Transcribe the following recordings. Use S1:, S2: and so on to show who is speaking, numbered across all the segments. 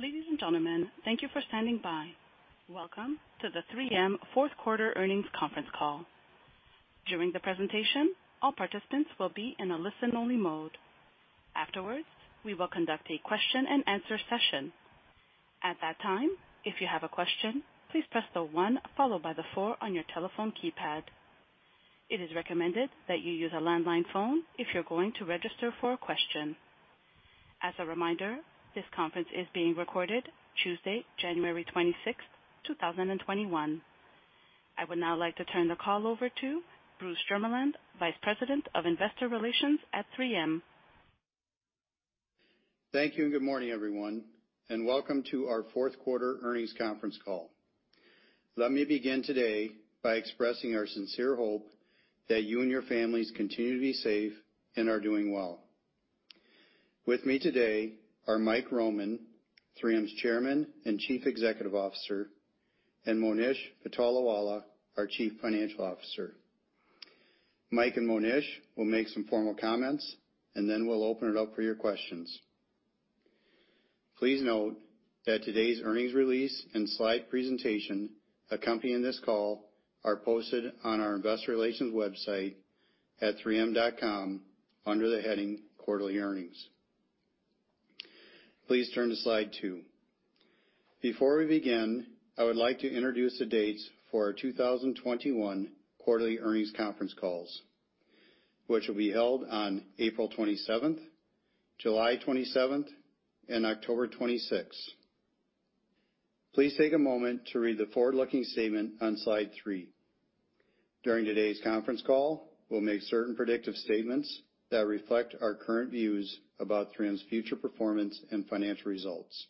S1: Ladies and gentlemen, thank you for standing by. Welcome to the 3M fourth quarter earnings conference call. During the presentation, all participants will be in a listen-only mode. Afterwards, we will conduct a question-and-answer session. At that time, if you have a question, please press the one followed by the four on your telephone keypad. It is recommended that you use a landline phone if you're going to register for a question. As a reminder, this conference is being recorded Tuesday, January 26th, 2021. I would now like to turn the call over to Bruce Jermeland, Vice President of Investor Relations at 3M.
S2: Thank you, good morning, everyone, and welcome to our fourth quarter earnings conference call. Let me begin today by expressing our sincere hope that you and your families continue to be safe and are doing well. With me today are Mike Roman, 3M's Chairman and Chief Executive Officer, and Monish Patolawala, our Chief Financial Officer. Mike and Monish will make some formal comments, and then we'll open it up for your questions. Please note that today's earnings release and slide presentation accompanying this call are posted on our investor relations website at 3m.com under the heading Quarterly Earnings. Please turn to slide two. Before we begin, I would like to introduce the dates for our 2021 quarterly earnings conference calls, which will be held on April 27th, July 27th, and October 26th. Please take a moment to read the forward-looking statement on slide three. During today's conference call, we'll make certain predictive statements that reflect our current views about 3M's future performance and financial results.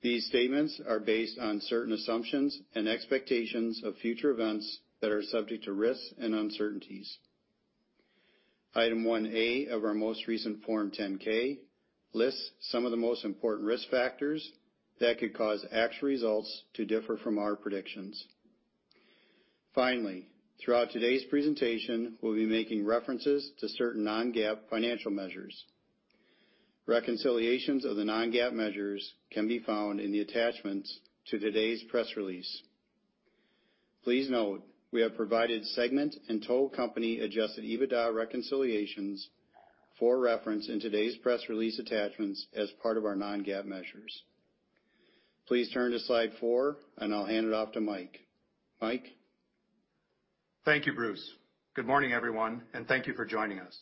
S2: These statements are based on certain assumptions and expectations of future events that are subject to risks and uncertainties. Item 1A of our most recent Form 10-K lists some of the most important risk factors that could cause actual results to differ from our predictions. Finally, throughout today's presentation, we'll be making references to certain non-GAAP financial measures. Reconciliations of the non-GAAP measures can be found in the attachments to today's press release. Please note, we have provided segment and total company adjusted EBITDA reconciliations for reference in today's press release attachments as part of our non-GAAP measures. Please turn to slide four, and I'll hand it off to Mike. Mike?
S3: Thank you, Bruce. Good morning, everyone, and thank you for joining us.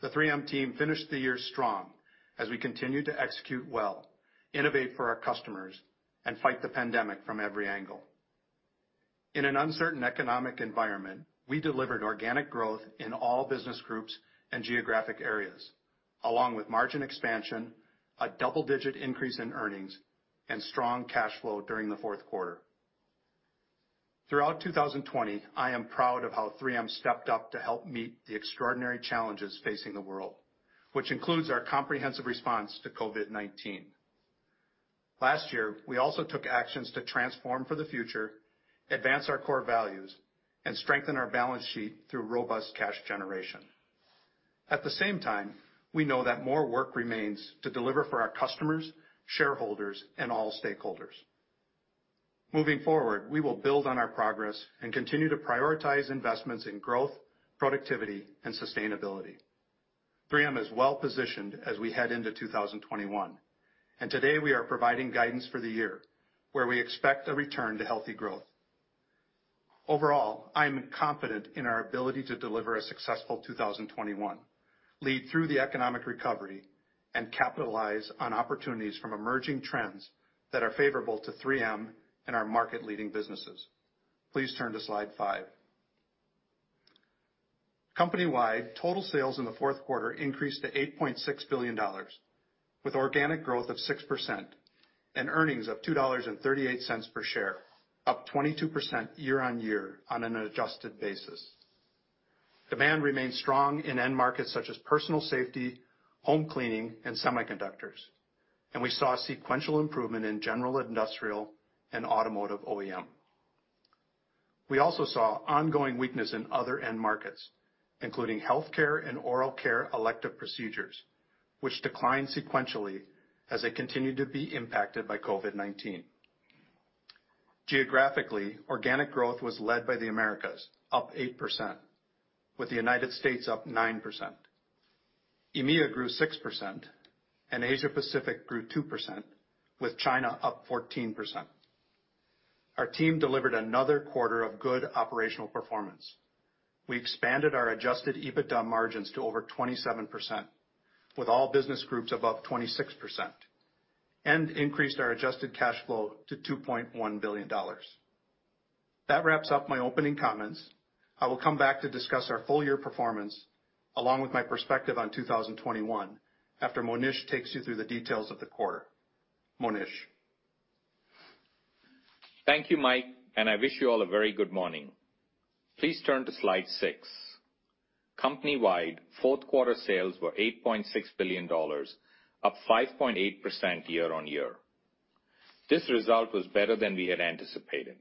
S3: The 3M team finished the year strong as we continued to execute well, innovate for our customers, and fight the pandemic from every angle. In an uncertain economic environment, we delivered organic growth in all business groups and geographic areas, along with margin expansion, a double-digit increase in earnings, and strong cash flow during the fourth quarter. Throughout 2020, I am proud of how 3M stepped up to help meet the extraordinary challenges facing the world, which includes our comprehensive response to COVID-19. Last year, we also took actions to transform for the future, advance our core values, and strengthen our balance sheet through robust cash generation. At the same time, we know that more work remains to deliver for our customers, shareholders, and all stakeholders. Moving forward, we will build on our progress and continue to prioritize investments in growth, productivity, and sustainability. 3M is well-positioned as we head into 2021, and today we are providing guidance for the year where we expect a return to healthy growth. Overall, I am confident in our ability to deliver a successful 2021, lead through the economic recovery, and capitalize on opportunities from emerging trends that are favorable to 3M and our market-leading businesses. Please turn to slide five. Company-wide, total sales in the fourth quarter increased to $8.6 billion, with organic growth of 6% and earnings of $2.38 per share, up 22% year-on-year on an adjusted basis. Demand remained strong in end markets such as personal safety, home cleaning, and semiconductors, and we saw a sequential improvement in general industrial and automotive OEM. We also saw ongoing weakness in other end markets, including healthcare and oral care elective procedures, which declined sequentially as they continued to be impacted by COVID-19. Geographically, organic growth was led by the Americas, up 8%, with the United States up 9%. EMEA grew 6%, and Asia-Pacific grew 2%, with China up 14%. Our team delivered another quarter of good operational performance. We expanded our adjusted EBITDA margins to over 27%, with all business groups above 26%, and increased our adjusted cash flow to $2.1 billion. That wraps up my opening comments. I will come back to discuss our full-year performance, along with my perspective on 2021, after Monish takes you through the details of the quarter. Monish?
S4: Thank you, Mike, and I wish you all a very good morning. Please turn to slide six. Company-wide, fourth quarter sales were $8.6 billion, up 5.8% year-on-year. This result was better than we had anticipated.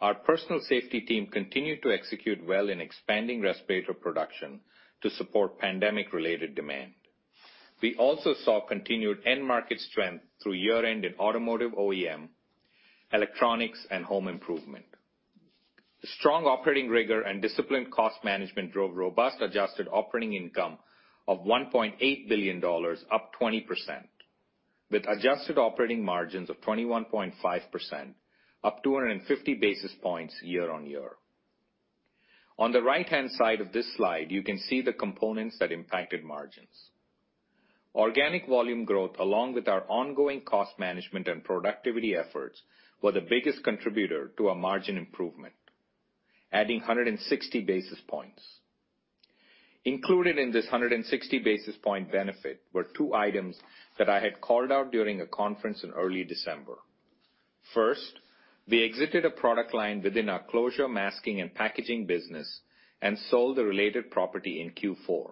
S4: Our personal safety team continued to execute well in expanding respirator production to support pandemic-related demand. We also saw continued end market strength through year-end in automotive OEM, electronics, and home improvement. Strong operating rigor and disciplined cost management drove robust adjusted operating income of $1.8 billion, up 20%, with adjusted operating margins of 21.5%, up 250 basis points year-on-year. On the right-hand side of this slide, you can see the components that impacted margins. Organic volume growth, along with our ongoing cost management and productivity efforts, were the biggest contributor to a margin improvement, adding 160 basis points. Included in this 160 basis point benefit were two items that I had called out during a conference in early December. First, we exited a product line within our closure, masking, and packaging business and sold the related property in Q4.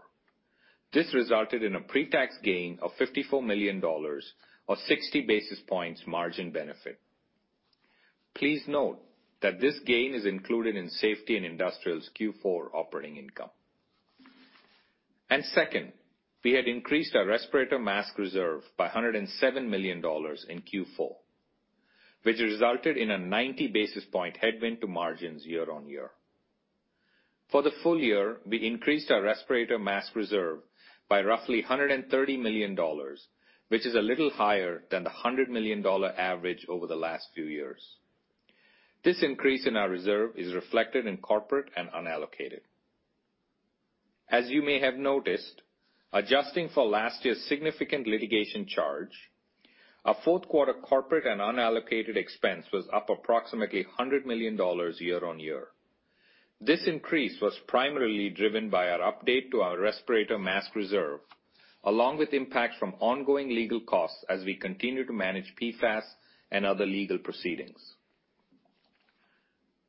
S4: This resulted in a pre-tax gain of $54 million or 60 basis points margin benefit. Please note that this gain is included in Safety & Industrial's Q4 operating income. Second, we had increased our respirator mask reserve by $107 million in Q4, which resulted in a 90-basis point headwind to margins year-on-year. For the full year, we increased our respirator mask reserve by roughly $130 million, which is a little higher than the $100 million average over the last few years. This increase in our reserve is reflected in corporate and unallocated. As you may have noticed, adjusting for last year's significant litigation charge, our fourth quarter corporate and unallocated expense was up approximately $100 million year-on-year. This increase was primarily driven by our update to our respirator mask reserve, along with impacts from ongoing legal costs as we continue to manage PFAS and other legal proceedings.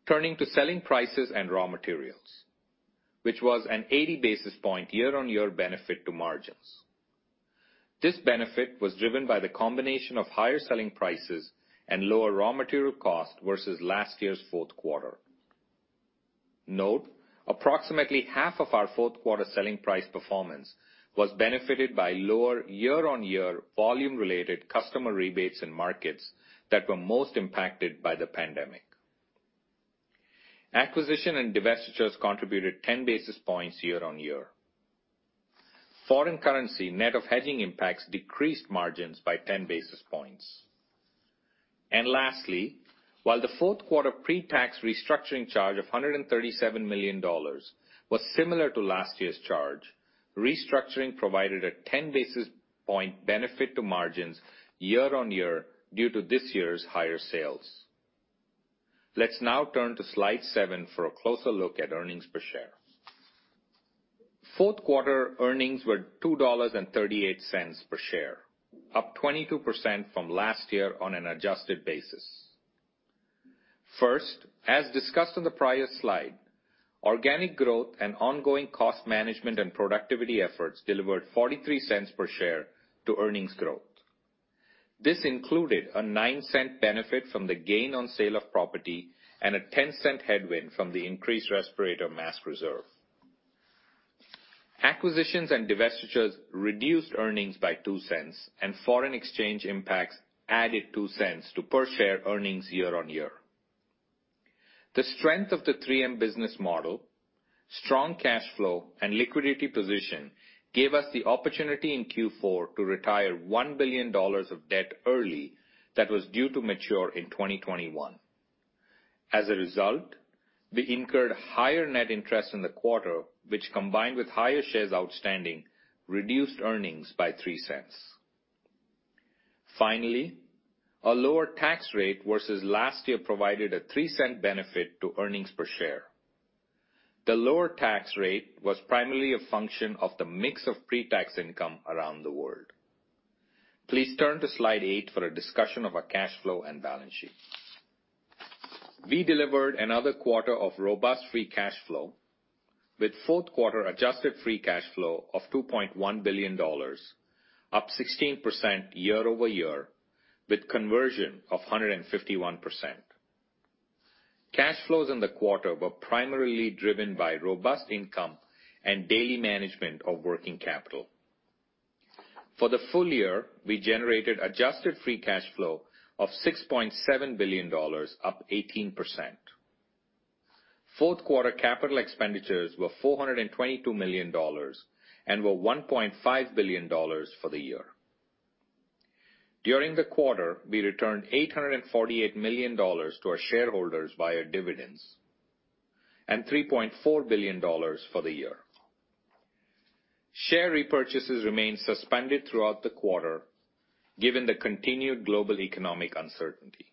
S4: Turning to selling prices and raw materials, which was an 80 basis point year-on-year benefit to margins. This benefit was driven by the combination of higher selling prices and lower raw material cost versus last year's fourth quarter. Note, approximately half of our fourth quarter selling price performance was benefited by lower year-on-year volume-related customer rebates in markets that were most impacted by the pandemic. Acquisition and divestitures contributed 10 basis points year-on-year. Foreign currency net of hedging impacts decreased margins by 10 basis points. Lastly, while the fourth quarter pre-tax restructuring charge of $137 million was similar to last year's charge, restructuring provided a 10-basis point benefit to margins year-on-year due to this year's higher sales. Let's now turn to slide seven for a closer look at earnings per share. Fourth quarter earnings were $2.38 per share, up 22% from last year on an adjusted basis. First, as discussed on the prior slide, organic growth and ongoing cost management and productivity efforts delivered $0.43 per share to earnings growth. This included a $0.09 benefit from the gain on sale of property and a $0.10 headwind from the increased respirator mask reserve. Acquisitions and divestitures reduced earnings by $0.02, and foreign exchange impacts added $0.02 to per share earnings year-on-year. The strength of the 3M business model, strong cash flow, and liquidity position gave us the opportunity in Q4 to retire $1 billion of debt early that was due to mature in 2021. As a result, we incurred higher net interest in the quarter, which, combined with higher shares outstanding, reduced earnings by $0.03. Finally, a lower tax rate versus last year provided a $0.03 benefit to earnings per share. The lower tax rate was primarily a function of the mix of pre-tax income around the world. Please turn to slide eight for a discussion of our cash flow and balance sheet. We delivered another quarter of robust free cash flow with fourth quarter adjusted free cash flow of $2.1 billion, up 16% year-over-year, with conversion of 151%. Cash flows in the quarter were primarily driven by robust income and daily management of working capital. For the full year, we generated adjusted free cash flow of $6.7 billion, up 18%. Fourth-quarter capital expenditures were $422 million and were $1.5 billion for the year. During the quarter, we returned $848 million to our shareholders via dividends and $3.4 billion for the year. Share repurchases remained suspended throughout the quarter given the continued global economic uncertainty.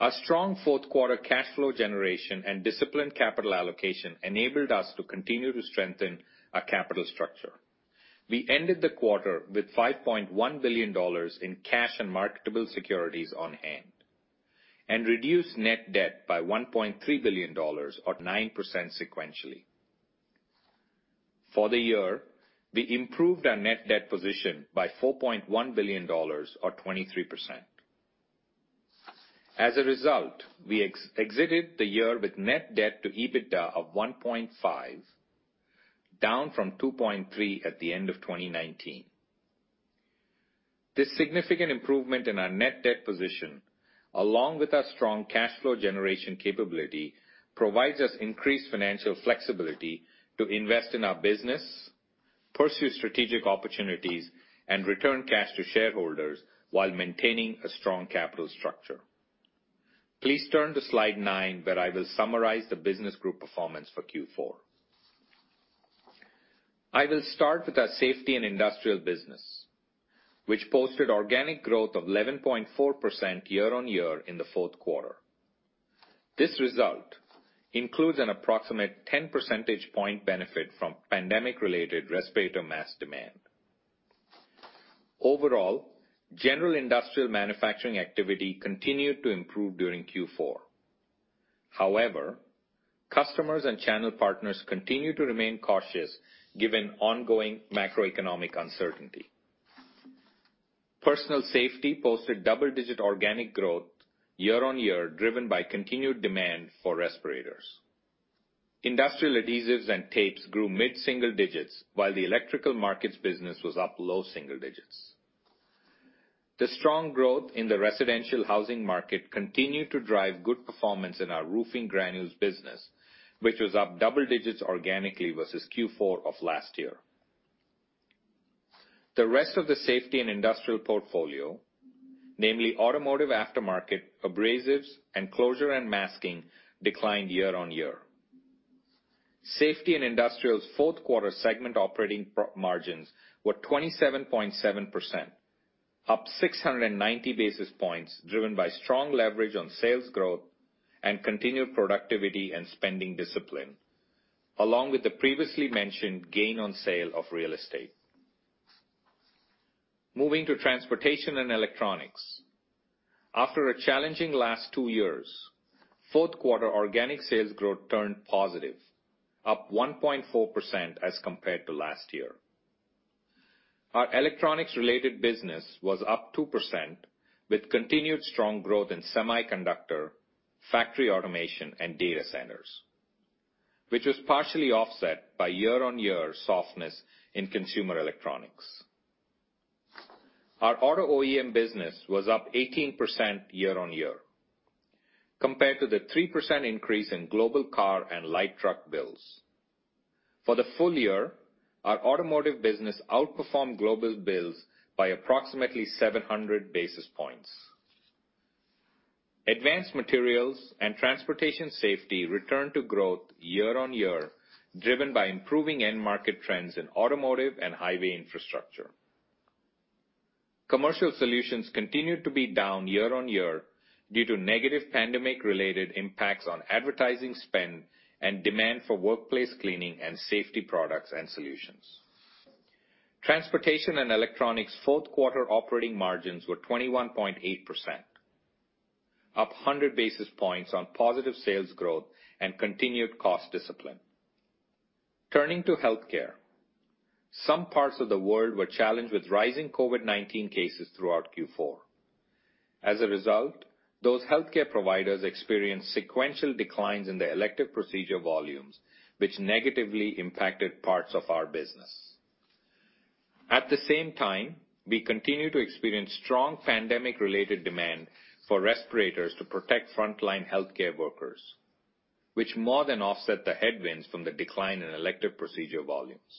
S4: Our strong fourth quarter cash flow generation and disciplined capital allocation enabled us to continue to strengthen our capital structure. We ended the quarter with $5.1 billion in cash and marketable securities on hand and reduced net debt by $1.3 billion or 9% sequentially. For the year, we improved our net debt position by $4.1 billion or 23%. As a result, we exited the year with net debt to EBITDA of 1.5, down from 2.3 at the end of 2019. This significant improvement in our net debt position, along with our strong cash flow generation capability, provides us increased financial flexibility to invest in our business, pursue strategic opportunities, and return cash to shareholders while maintaining a strong capital structure. Please turn to slide nine, where I will summarize the business group performance for Q4. I will start with our Safety & Industrial business, which posted organic growth of 11.4% year-over-year in the fourth quarter. This result includes an approximate 10 percentage point benefit from pandemic related respirator mask demand. Overall, general industrial manufacturing activity continued to improve during Q4. However, customers and channel partners continue to remain cautious given ongoing macroeconomic uncertainty. Personal Safety posted double-digit organic growth year-over-year, driven by continued demand for respirators. Industrial Adhesives and Tapes grew mid-single digits, while the Electrical Markets business was up low single digits. The strong growth in the residential housing market continued to drive good performance in our roofing granules business, which was up double digits organically versus Q4 of last year. The rest of the Safety & Industrial portfolio, namely automotive aftermarket, abrasives, and closure and masking, declined year-on-year. Safety & Industrial's fourth quarter segment operating margins were 27.7%, up 690 basis points, driven by strong leverage on sales growth and continued productivity and spending discipline, along with the previously mentioned gain on sale of real estate. Moving to Transportation & Electronics. After a challenging last two years, fourth quarter organic sales growth turned positive, up 1.4% as compared to last year. Our electronics related business was up 2% with continued strong growth in semiconductor, factory automation, and data centers, which was partially offset by year-on-year softness in consumer electronics. Our auto OEM business was up 18% year-on-year compared to the 3% increase in global car and light truck builds. For the full year, our automotive business outperformed global builds by approximately 700 basis points. Advanced materials and transportation safety returned to growth year-on-year, driven by improving end-market trends in automotive and highway infrastructure. Commercial solutions continued to be down year-on-year due to negative pandemic-related impacts on advertising spend and demand for workplace cleaning and safety products and solutions. Transportation and Electronics' fourth quarter operating margins were 21.8%, up 100 basis points on positive sales growth and continued cost discipline. Turning to Health Care. Some parts of the world were challenged with rising COVID-19 cases throughout Q4. As a result, those healthcare providers experienced sequential declines in their elective procedure volumes, which negatively impacted parts of our business. At the same time, we continue to experience strong pandemic related demand for respirators to protect frontline healthcare workers, which more than offset the headwinds from the decline in elective procedure volumes.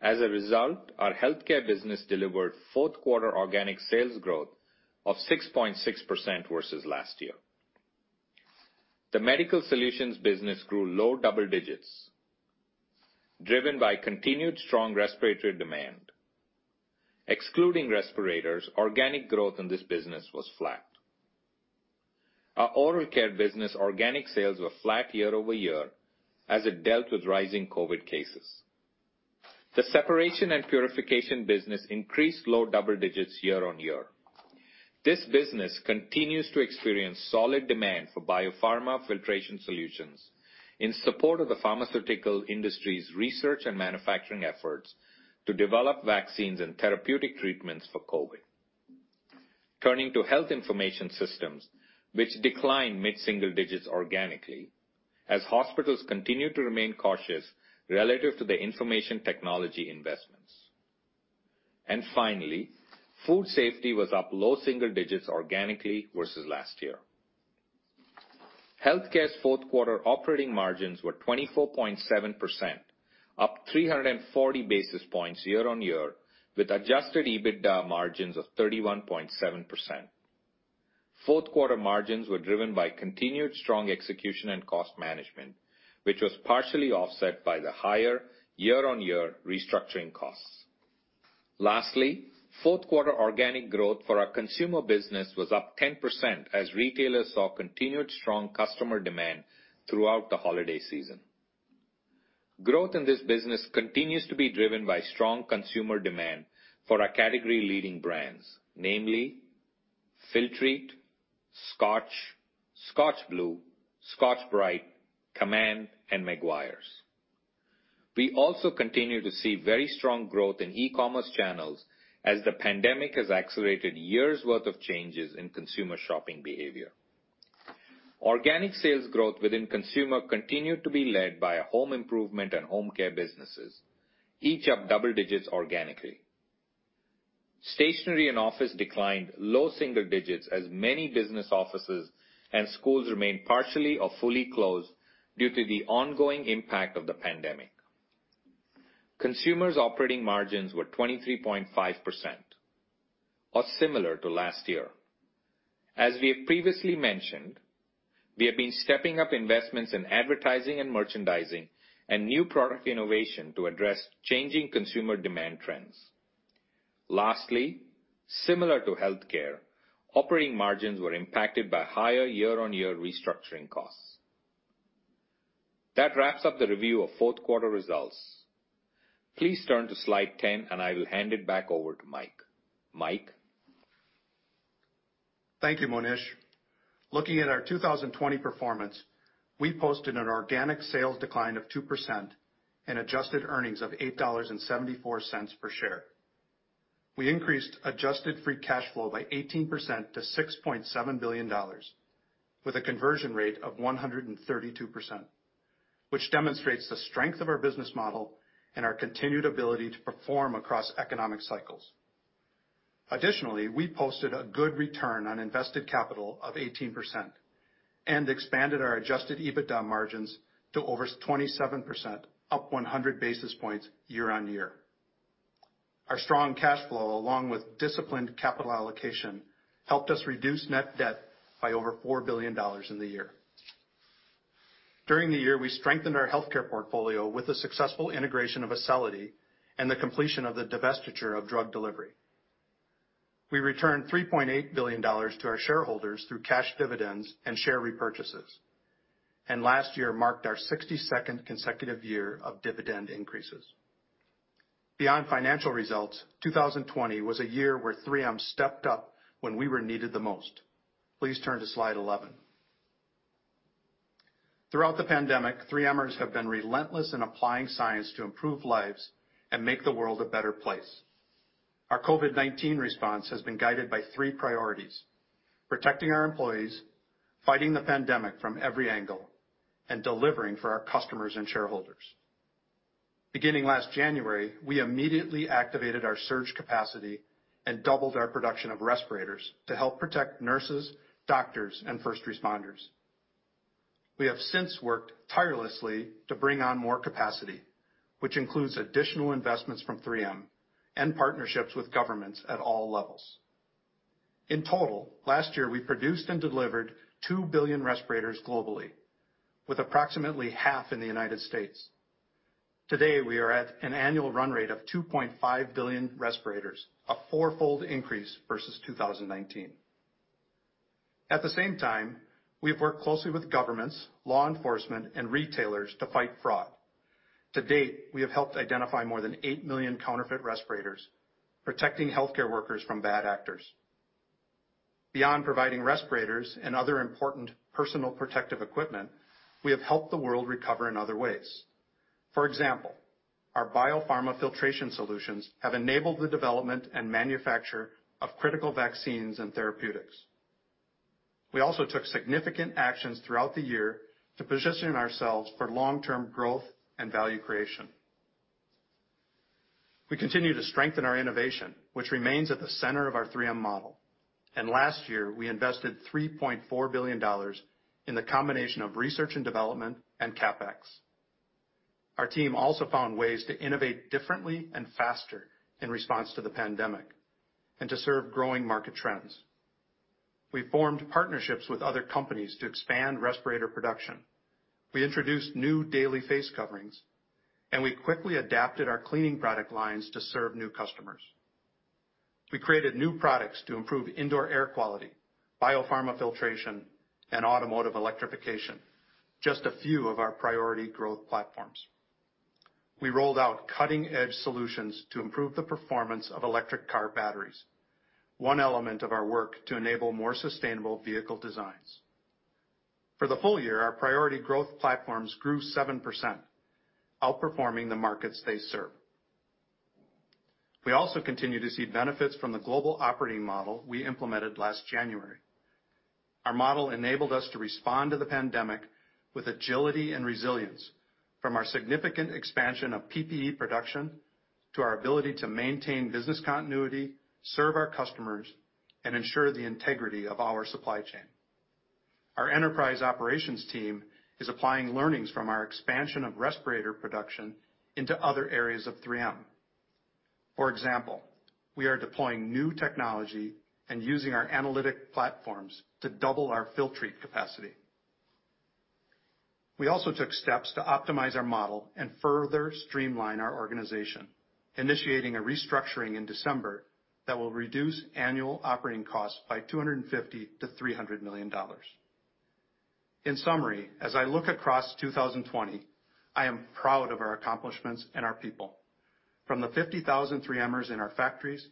S4: As a result, our Health Care business delivered fourth quarter organic sales growth of 6.6% versus last year. The medical solutions business grew low double digits driven by continued strong respiratory demand. Excluding respirators, organic growth in this business was flat. Our oral care business organic sales were flat year-over-year as it dealt with rising COVID cases. The separation and purification business increased low double digits year-on-year. This business continues to experience solid demand for biopharma filtration solutions in support of the pharmaceutical industry's research and manufacturing efforts to develop vaccines and therapeutic treatments for COVID. Turning to health information systems, which declined mid-single digits organically as hospitals continue to remain cautious relative to the information technology investments. Finally, food safety was up low single digits organically versus last year. Health Care's fourth quarter operating margins were 24.7%, up 340 basis points year-on-year with adjusted EBITDA margins of 31.7%. Fourth quarter margins were driven by continued strong execution and cost management, which was partially offset by the higher year-on-year restructuring costs. Lastly, fourth quarter organic growth for our consumer business was up 10% as retailers saw continued strong customer demand throughout the holiday season. Growth in this business continues to be driven by strong consumer demand for our category leading brands, namely Filtrete, Scotch, ScotchBlue, Scotch-Brite, Command, and Meguiar's. We also continue to see very strong growth in e-commerce channels as the pandemic has accelerated years' worth of changes in consumer shopping behavior. Organic sales growth within consumer continued to be led by our home improvement and home care businesses, each up double digits organically. Stationery and office declined low single digits as many business offices and schools remained partially or fully closed due to the ongoing impact of the pandemic. Consumer's operating margins were 23.5%, or similar to last year. As we have previously mentioned, we have been stepping up investments in advertising and merchandising and new product innovation to address changing consumer demand trends. Lastly, similar to Health Care, operating margins were impacted by higher year-on-year restructuring costs. That wraps up the review of fourth quarter results. Please turn to slide 10, and I will hand it back over to Mike. Mike?
S3: Thank you, Monish. Looking at our 2020 performance, we posted an organic sales decline of 2% and adjusted earnings of $8.74 per share. We increased adjusted free cash flow by 18% to $6.7 billion with a conversion rate of 132%, which demonstrates the strength of our business model and our continued ability to perform across economic cycles. Additionally, we posted a good return on invested capital of 18% and expanded our adjusted EBITDA margins to over 27%, up 100 basis points year-on-year. Our strong cash flow, along with disciplined capital allocation, helped us reduce net debt by over $4 billion in the year. During the year, we strengthened our Health Care portfolio with the successful integration of Acelity and the completion of the divestiture of drug delivery. We returned $3.8 billion to our shareholders through cash dividends and share repurchases. Last year marked our 62nd consecutive year of dividend increases. Beyond financial results, 2020 was a year where 3M stepped up when we were needed the most. Please turn to slide 11. Throughout the pandemic, 3Mers have been relentless in applying science to improve lives and make the world a better place. Our COVID-19 response has been guided by three priorities, protecting our employees, fighting the pandemic from every angle, and delivering for our customers and shareholders. Beginning last January, we immediately activated our surge capacity and doubled our production of respirators to help protect nurses, doctors, and first responders. We have since worked tirelessly to bring on more capacity, which includes additional investments from 3M and partnerships with governments at all levels. In total, last year, we produced and delivered 2 billion respirators globally, with approximately half in the U.S. Today, we are at an annual run rate of 2.5 billion respirators, a 4-fold increase versus 2019. At the same time, we have worked closely with governments, law enforcement, and retailers to fight fraud. To date, we have helped identify more than 8 million counterfeit respirators, protecting healthcare workers from bad actors. Beyond providing respirators and other important personal protective equipment, we have helped the world recover in other ways. For example, our biopharma filtration solutions have enabled the development and manufacture of critical vaccines and therapeutics. We also took significant actions throughout the year to position ourselves for long-term growth and value creation. We continue to strengthen our innovation, which remains at the center of our 3M model. Last year, we invested $3.4 billion in the combination of research and development and CapEx. Our team also found ways to innovate differently and faster in response to the pandemic and to serve growing market trends. We formed partnerships with other companies to expand respirator production. We introduced new daily face coverings, and we quickly adapted our cleaning product lines to serve new customers. We created new products to improve indoor air quality, biopharma filtration, and automotive electrification, just a few of our priority growth platforms. We rolled out cutting-edge solutions to improve the performance of electric car batteries, one element of our work to enable more sustainable vehicle designs. For the full year, our priority growth platforms grew 7%, outperforming the markets they serve. We also continue to see benefits from the global operating model we implemented last January. Our model enabled us to respond to the pandemic with agility and resilience, from our significant expansion of PPE production, to our ability to maintain business continuity, serve our customers, and ensure the integrity of our supply chain. Our enterprise operations team is applying learnings from our expansion of respirator production into other areas of 3M. For example, we are deploying new technology and using our analytic platforms to double our Filtrete capacity. We also took steps to optimize our model and further streamline our organization, initiating a restructuring in December that will reduce annual operating costs by $250 million-$300 million. In summary, as I look across 2020, I am proud of our accomplishments and our people. From the 50,000 3Mers in our factories,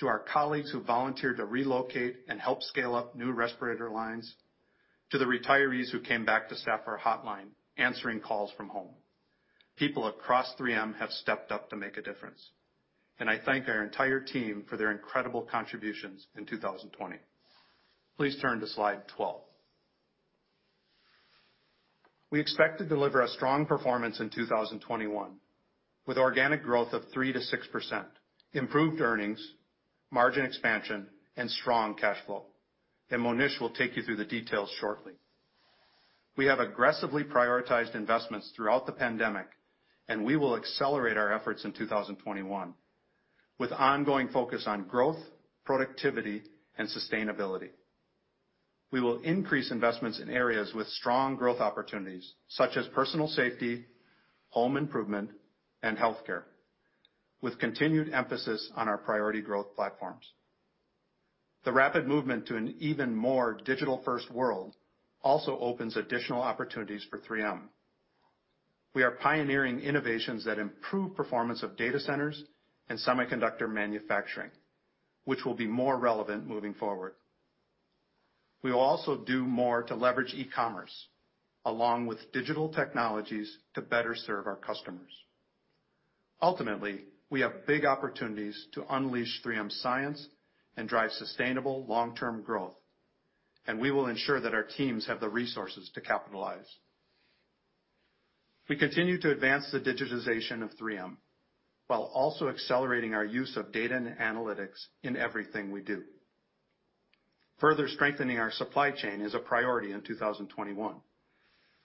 S3: to our colleagues who volunteered to relocate and help scale up new respirator lines, to the retirees who came back to staff our hotline answering calls from home. People across 3M have stepped up to make a difference, and I thank our entire team for their incredible contributions in 2020. Please turn to slide 12. We expect to deliver a strong performance in 2021 with organic growth of 3%-6%, improved earnings, margin expansion, and strong cash flow, and Monish will take you through the details shortly. We have aggressively prioritized investments throughout the pandemic, and we will accelerate our efforts in 2021 with ongoing focus on growth, productivity, and sustainability. We will increase investments in areas with strong growth opportunities, such as personal safety, home improvement, and healthcare, with continued emphasis on our priority growth platforms. The rapid movement to an even more digital-first world also opens additional opportunities for 3M. We are pioneering innovations that improve performance of data centers and semiconductor manufacturing, which will be more relevant moving forward. We will also do more to leverage e-commerce along with digital technologies to better serve our customers. Ultimately, we have big opportunities to unleash 3M science and drive sustainable long-term growth, and we will ensure that our teams have the resources to capitalize. We continue to advance the digitization of 3M while also accelerating our use of data and analytics in everything we do. Further strengthening our supply chain is a priority in 2021,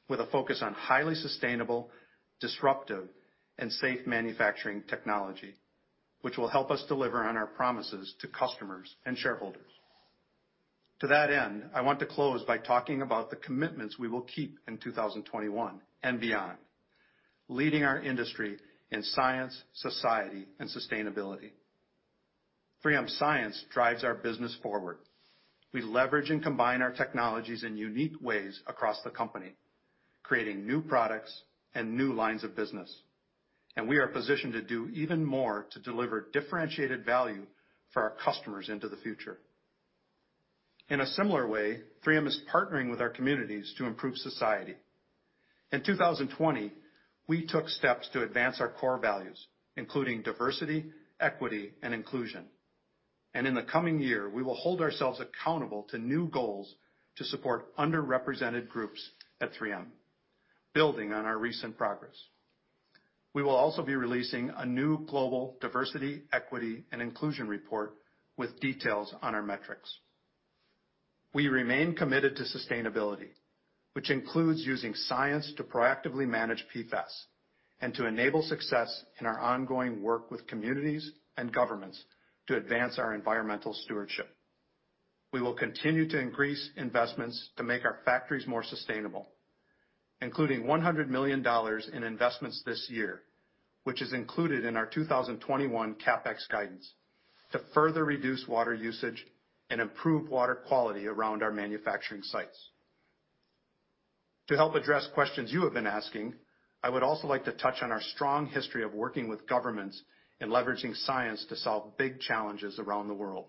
S3: with a focus on highly sustainable, disruptive, and safe manufacturing technology, which will help us deliver on our promises to customers and shareholders. To that end, I want to close by talking about the commitments we will keep in 2021 and beyond, leading our industry in science, society, and sustainability. 3M science drives our business forward. We leverage and combine our technologies in unique ways across the company, creating new products and new lines of business. We are positioned to do even more to deliver differentiated value for our customers into the future. In a similar way, 3M is partnering with our communities to improve society. In 2020, we took steps to advance our core values, including diversity, equity, and inclusion. In the coming year, we will hold ourselves accountable to new goals to support underrepresented groups at 3M, building on our recent progress. We will also be releasing a new global diversity, equity, and inclusion report with details on our metrics. We remain committed to sustainability, which includes using science to proactively manage PFAS and to enable success in our ongoing work with communities and governments to advance our environmental stewardship. We will continue to increase investments to make our factories more sustainable, including $100 million in investments this year, which is included in our 2021 CapEx guidance to further reduce water usage and improve water quality around our manufacturing sites. To help address questions you have been asking, I would also like to touch on our strong history of working with governments in leveraging science to solve big challenges around the world.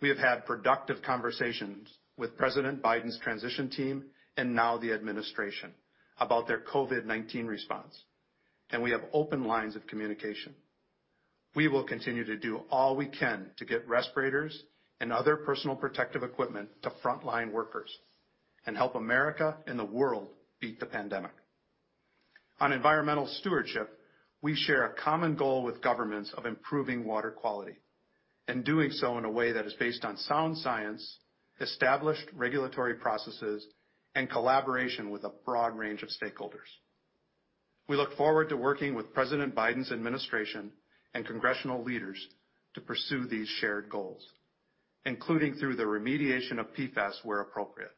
S3: We have had productive conversations with President Biden's transition team, and now the administration, about their COVID-19 response, and we have open lines of communication. We will continue to do all we can to get respirators and other personal protective equipment to frontline workers and help America and the world beat the pandemic. On environmental stewardship, we share a common goal with governments of improving water quality and doing so in a way that is based on sound science, established regulatory processes, and collaboration with a broad range of stakeholders. We look forward to working with President Biden's administration and congressional leaders to pursue these shared goals, including through the remediation of PFAS where appropriate.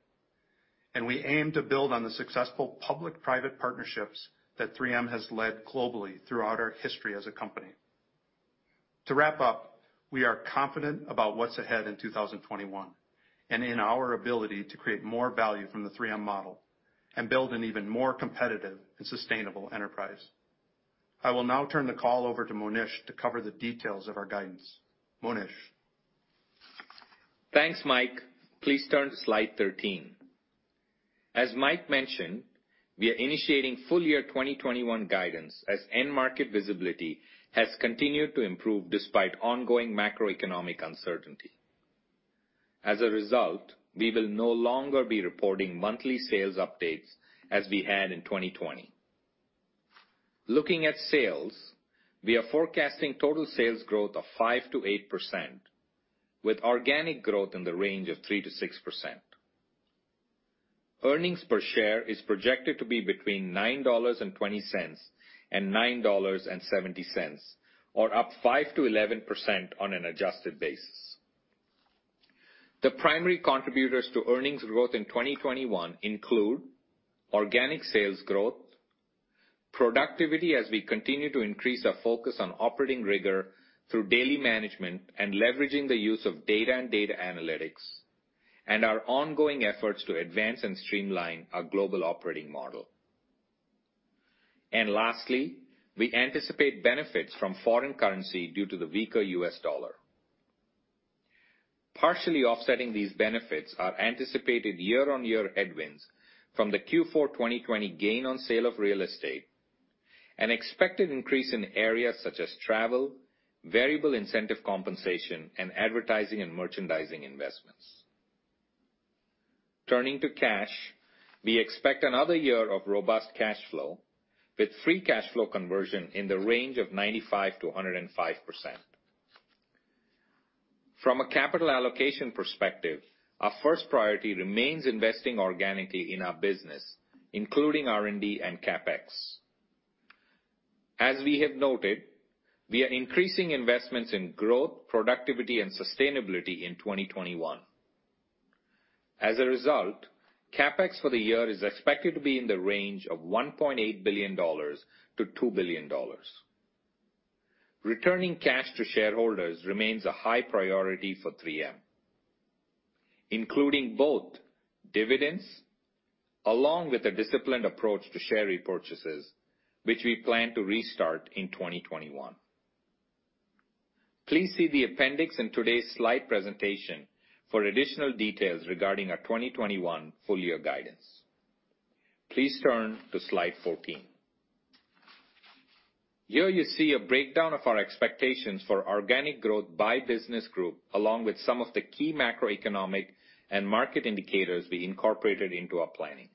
S3: We aim to build on the successful public-private partnerships that 3M has led globally throughout our history as a company. To wrap up, we are confident about what's ahead in 2021 and in our ability to create more value from the 3M model and build an even more competitive and sustainable enterprise. I will now turn the call over to Monish to cover the details of our guidance. Monish?
S4: Thanks, Mike. Please turn to slide 13. As Mike mentioned, we are initiating full-year 2021 guidance as end market visibility has continued to improve despite ongoing macroeconomic uncertainty. As a result, we will no longer be reporting monthly sales updates as we had in 2020. Looking at sales, we are forecasting total sales growth of 5%-8% with organic growth in the range of 3%-6%. Earnings per share is projected to be between $9.20 and $9.70, or up 5%-11% on an adjusted basis. The primary contributors to earnings growth in 2021 include organic sales growth productivity as we continue to increase our focus on operating rigor through daily management and leveraging the use of data and data analytics, and our ongoing efforts to advance and streamline our global operating model. Lastly, we anticipate benefits from foreign currency due to the weaker U.S. dollar. Partially offsetting these benefits are anticipated year-on-year headwinds from the Q4 2020 gain on sale of real estate, an expected increase in areas such as travel, variable incentive compensation, and advertising and merchandising investments. Turning to cash, we expect another year of robust cash flow with free cash flow conversion in the range of 95%-105%. From a capital allocation perspective, our first priority remains investing organically in our business, including R&D and CapEx. As we have noted, we are increasing investments in growth, productivity, and sustainability in 2021. As a result, CapEx for the year is expected to be in the range of $1.8 billion-$2 billion. Returning cash to shareholders remains a high priority for 3M, including both dividends along with a disciplined approach to share repurchases, which we plan to restart in 2021. Please see the appendix in today's slide presentation for additional details regarding our 2021 full-year guidance. Please turn to slide 14. Here you see a breakdown of our expectations for organic growth by business group, along with some of the key macroeconomic and market indicators we incorporated into our planning.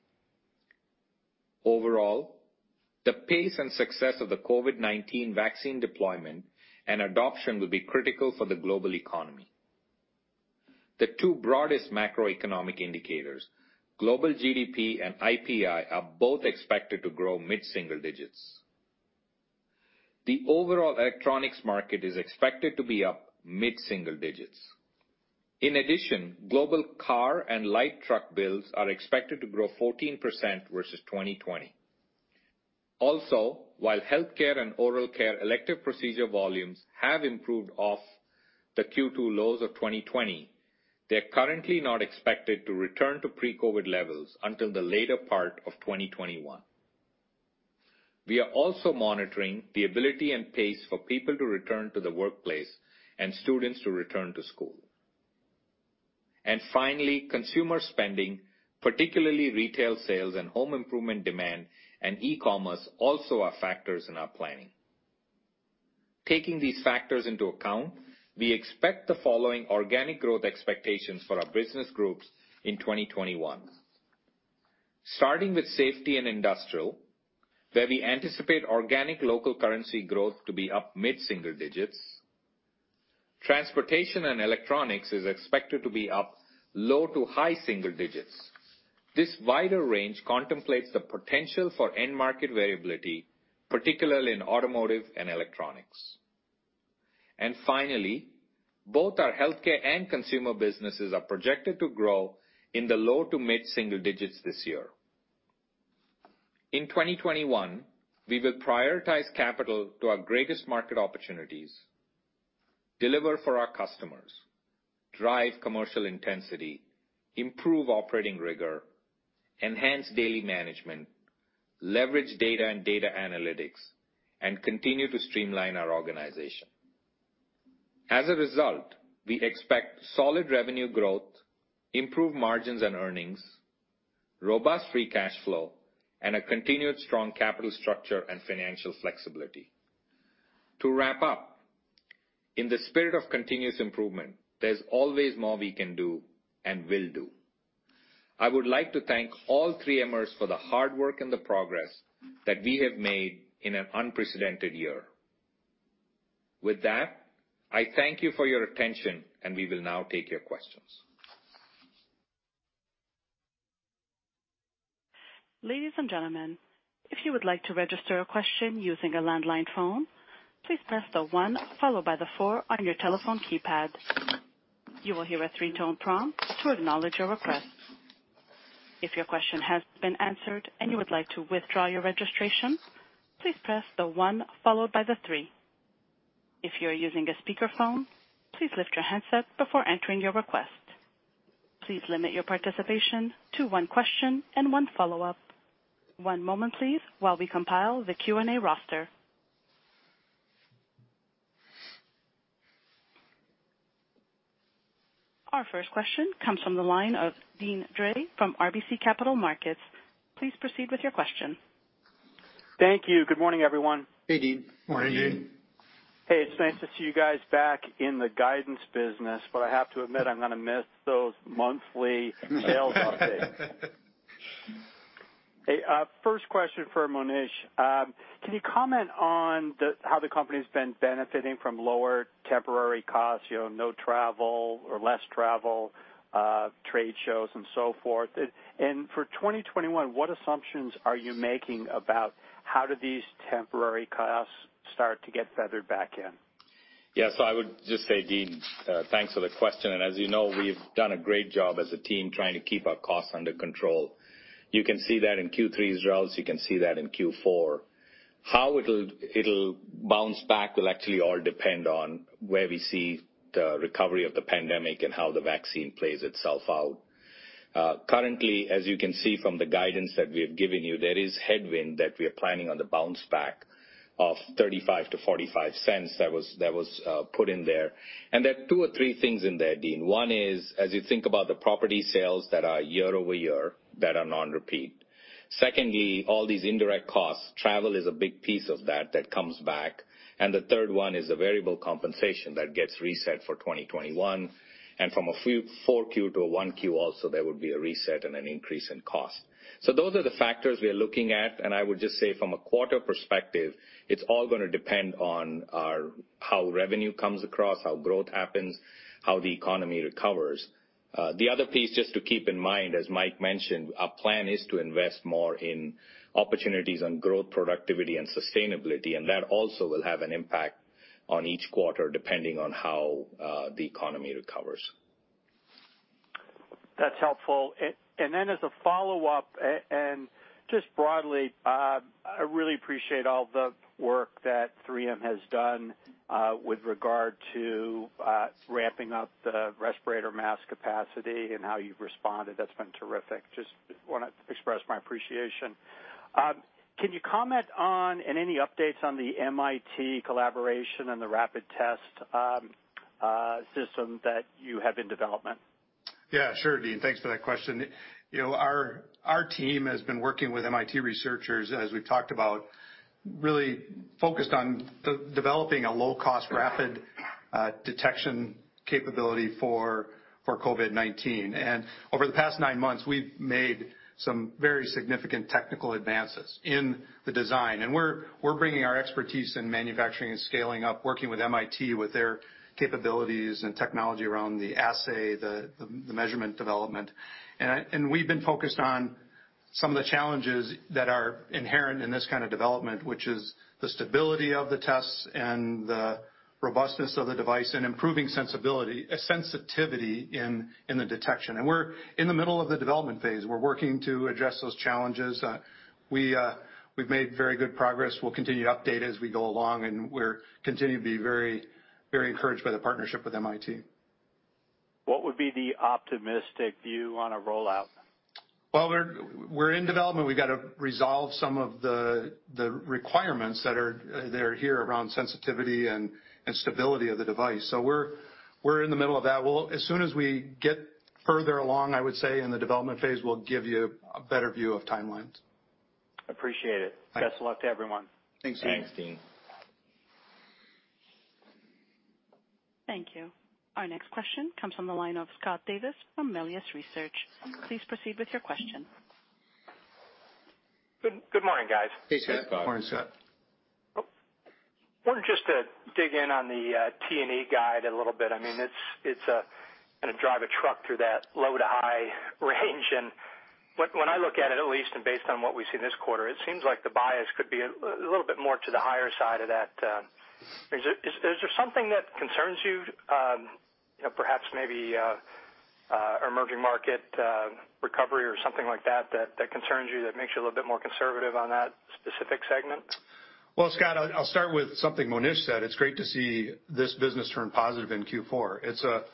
S4: Overall, the pace and success of the COVID-19 vaccine deployment and adoption will be critical for the global economy. The two broadest macroeconomic indicators, global GDP and IPI, are both expected to grow mid-single digits. The overall electronics market is expected to be up mid-single digits. In addition, global car and light truck builds are expected to grow 14% versus 2020. Also, while healthcare and oral care elective procedure volumes have improved off the Q2 lows of 2020, they're currently not expected to return to pre-COVID levels until the later part of 2021. We are also monitoring the ability and pace for people to return to the workplace and students to return to school. Finally, consumer spending, particularly retail sales and home improvement demand and e-commerce, also are factors in our planning. Taking these factors into account, we expect the following organic growth expectations for our business groups in 2021. Starting with Safety & Industrial, where we anticipate organic local currency growth to be up mid-single digits. Transportation and Electronics is expected to be up low to high single digits. This wider range contemplates the potential for end-market variability, particularly in automotive and electronics. Finally, both our Healthcare and Consumer businesses are projected to grow in the low- mid-single digits this year. In 2021, we will prioritize capital to our greatest market opportunities, deliver for our customers, drive commercial intensity, improve operating rigor, enhance daily management, leverage data and data analytics, and continue to streamline our organization. As a result, we expect solid revenue growth, improved margins and earnings, robust free cash flow, and a continued strong capital structure and financial flexibility. To wrap up, in the spirit of continuous improvement, there's always more we can do and will do. I would like to thank all 3Mers for the hard work and the progress that we have made in an unprecedented year. With that, I thank you for your attention, and we will now take your questions.
S1: Ladies and gentlemen, if you would like to register a question using a landline phone, please press the one followed by the four on your telephone keypad. You will hear a three-tone prompt to acknowledge your request. If your question has been answered and you would like to withdraw your registration, please press the one followed by the three. If you're using a speakerphone, please lift your handset before entering your request. Please limit your participation to one question and one follow-up. One moment, please, while we compile the Q&A roster. Our first question comes from the line of Deane Dray from RBC Capital Markets. Please proceed with your question.
S5: Thank you. Good morning, everyone.
S4: Hey, Deane.
S3: Morning, Deane.
S5: Hey, it's nice to see you guys back in the guidance business. I have to admit, I'm going to miss those monthly sales updates. Hey, first question for Monish. Can you comment on how the company's been benefiting from lower temporary costs, no travel or less travel, trade shows, and so forth? For 2021, what assumptions are you making about how do these temporary costs start to get feathered back in?
S4: I would just say, Deane, thanks for the question. As you know, we've done a great job as a team trying to keep our costs under control. You can see that in Q3 results. You can see that in Q4. How it'll bounce back will actually all depend on where we see the recovery of the pandemic and how the vaccine plays itself out. Currently, as you can see from the guidance that we have given you, there is headwind that we are planning on the bounce back of $0.35-$0.45 that was put in there. There are two or three things in there, Deane. One is, as you think about the property sales that are year-over-year, that are non-repeat. Secondly, all these indirect costs. Travel is a big piece of that comes back. The third one is the variable compensation that gets reset for 2021. From a 4Q to a 1Q also, there would be a reset and an increase in cost. Those are the factors we are looking at, and I would just say from a quarter perspective, it's all going to depend on how revenue comes across, how growth happens, how the economy recovers. The other piece, just to keep in mind, as Mike mentioned, our plan is to invest more in opportunities on growth, productivity and sustainability. That also will have an impact on each quarter, depending on how the economy recovers.
S5: That's helpful. As a follow-up, just broadly, I really appreciate all the work that 3M has done with regard to ramping up the respirator mask capacity and how you've responded. That's been terrific. Just want to express my appreciation. Can you comment on any updates on the MIT collaboration and the rapid test system that you have in development?
S3: Yeah, sure, Deane. Thanks for that question. Our team has been working with MIT researchers, as we've talked about, really focused on developing a low-cost rapid detection capability for COVID-19. Over the past nine months, we've made some very significant technical advances in the design. We're bringing our expertise in manufacturing and scaling up, working with MIT with their capabilities and technology around the assay, the measurement development. We've been focused on some of the challenges that are inherent in this kind of development, which is the stability of the tests and the robustness of the device and improving sensitivity in the detection. We're in the middle of the development phase. We're working to address those challenges. We've made very good progress. We'll continue to update as we go along, and we're continuing to be very encouraged by the partnership with MIT.
S5: What would be the optimistic view on a rollout?
S3: We're in development. We've got to resolve some of the requirements that are here around sensitivity and stability of the device. We're in the middle of that. As soon as we get further along, I would say, in the development phase, we'll give you a better view of timelines.
S5: Appreciate it. Best of luck to everyone.
S3: Thanks, Deane.
S4: Thanks, Deane.
S1: Thank you. Our next question comes from the line of Scott Davis from Melius Research. Please proceed with your question.
S6: Good morning, guys.
S3: Hey, Scott.
S4: Good morning, Scott.
S6: Wanted just to dig in on the T&E guide a little bit of minute. It's going to drive a truck through that low to high range. When I look at it, at least, and based on what we've seen this quarter, it seems like the bias could be a little bit more to the higher side of that. Is there something that concerns you, perhaps maybe emerging market recovery or something like that concerns you, that makes you a little bit more conservative on that specific segment?
S3: Well, Scott, I'll start with something Monish said. It's great to see this business turn positive in Q4. It's a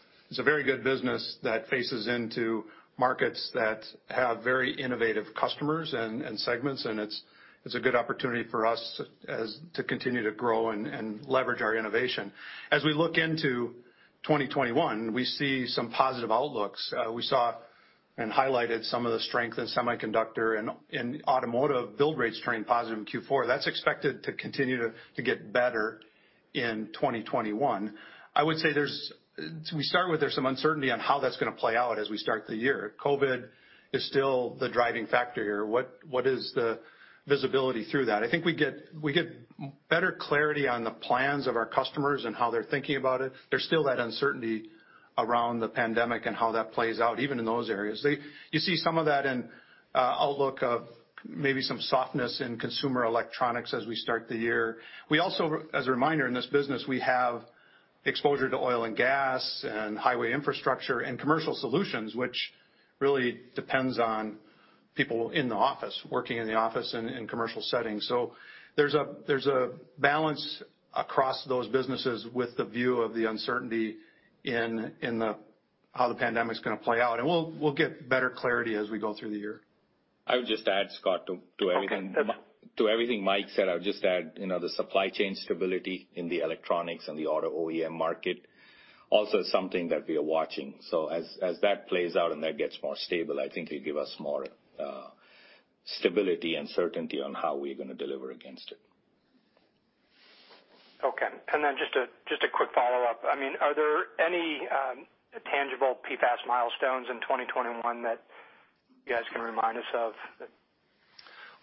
S3: very good business that faces into markets that have very innovative customers and segments, and it's a good opportunity for us to continue to grow and leverage our innovation. As we look into 2021, we see some positive outlooks. We saw and highlighted some of the strength in semiconductor and in automotive build rates turning positive in Q4. That's expected to continue to get better in 2021. I would say, to start with, there's some uncertainty on how that's going to play out as we start the year. COVID is still the driving factor here. What is the visibility through that? I think we get better clarity on the plans of our customers and how they're thinking about it. There's still that uncertainty around the pandemic and how that plays out, even in those areas. You see some of that in outlook of maybe some softness in consumer electronics as we start the year. We also, as a reminder, in this business, we have exposure to oil and gas and highway infrastructure and commercial solutions, which really depends on people in the office, working in the office in commercial settings. There's a balance across those businesses with the view of the uncertainty in how the pandemic's going to play out. We'll get better clarity as we go through the year.
S4: I would just add, Scott, to everything Mike said. I would just add, the supply chain stability in the electronics and the auto OEM market also is something that we are watching. As that plays out and that gets more stable, I think it'll give us more stability and certainty on how we're going to deliver against it.
S6: Okay. Just a quick follow-up. Are there any tangible PFAS milestones in 2021 that you guys can remind us of?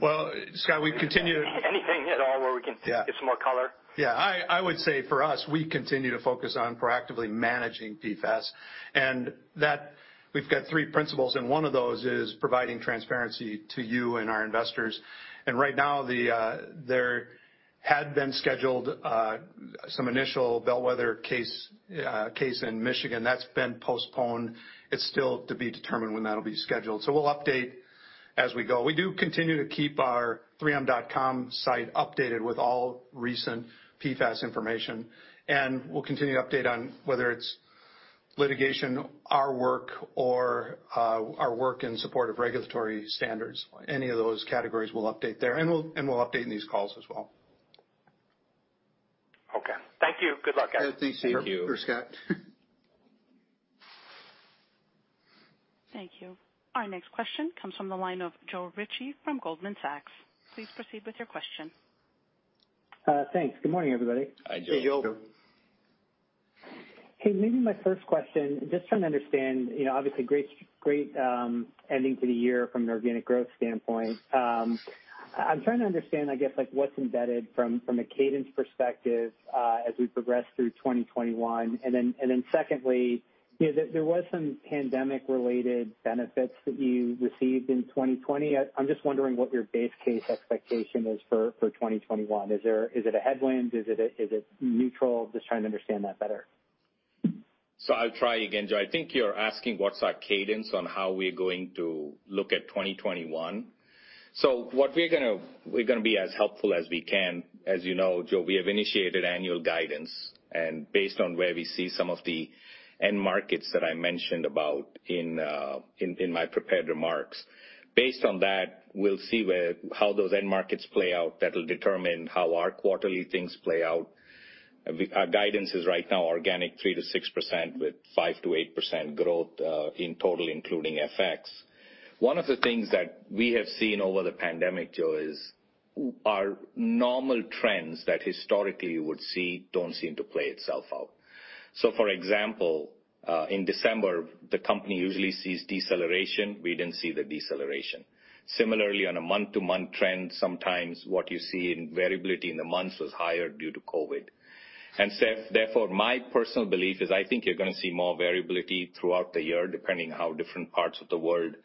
S6: Anything at all where we can get some more color?
S3: Yeah. I would say for us, we continue to focus on proactively managing PFAS, and we've got three principles, and one of those is providing transparency to you and our investors. Right now, there had been scheduled some initial bellwether case in Michigan. That's been postponed. It's still to be determined when that'll be scheduled, so we'll update as we go. We do continue to keep our 3m.com site updated with all recent PFAS information, and we'll continue to update on whether it's litigation, our work, or our work in support of regulatory standards. Any of those categories, we'll update there, and we'll update in these calls as well.
S6: Okay. Thank you. Good luck, guys.
S3: Thank you.
S4: Sure, Scott.
S1: Thank you. Our next question comes from the line of Joe Ritchie from Goldman Sachs. Please proceed with your question.
S7: Thanks. Good morning, everybody.
S4: Hi, Joe.
S3: Hey, Joe.
S7: Hey, maybe my first question, just trying to understand, obviously, great ending to the year from an organic growth standpoint. I'm trying to understand, I guess, what's embedded from a cadence perspective as we progress through 2021, and then secondly, there was some pandemic-related benefits that you received in 2020. I'm just wondering what your base case expectation is for 2021. Is it a headwind? Is it neutral? Just trying to understand that better.
S4: I'll try again, Joe. I think you're asking what's our cadence on how we're going to look at 2021. We're going to be as helpful as we can. As you know, Joe, we have initiated annual guidance, based on where we see some of the end markets that I mentioned about in my prepared remarks. Based on that, we'll see how those end markets play out. That'll determine how our quarterly things play out. Our guidance is right now organic 3%-6% with 5%-8% growth in total, including FX. One of the things that we have seen over the pandemic, Joe, is our normal trends that historically you would see don't seem to play itself out. For example, in December, the company usually sees deceleration. We didn't see the deceleration. Similarly, on a month-to-month trend, sometimes what you see in variability in the months was higher due to COVID. Therefore, my personal belief is I think you're going to see more variability throughout the year, depending how different parts of the world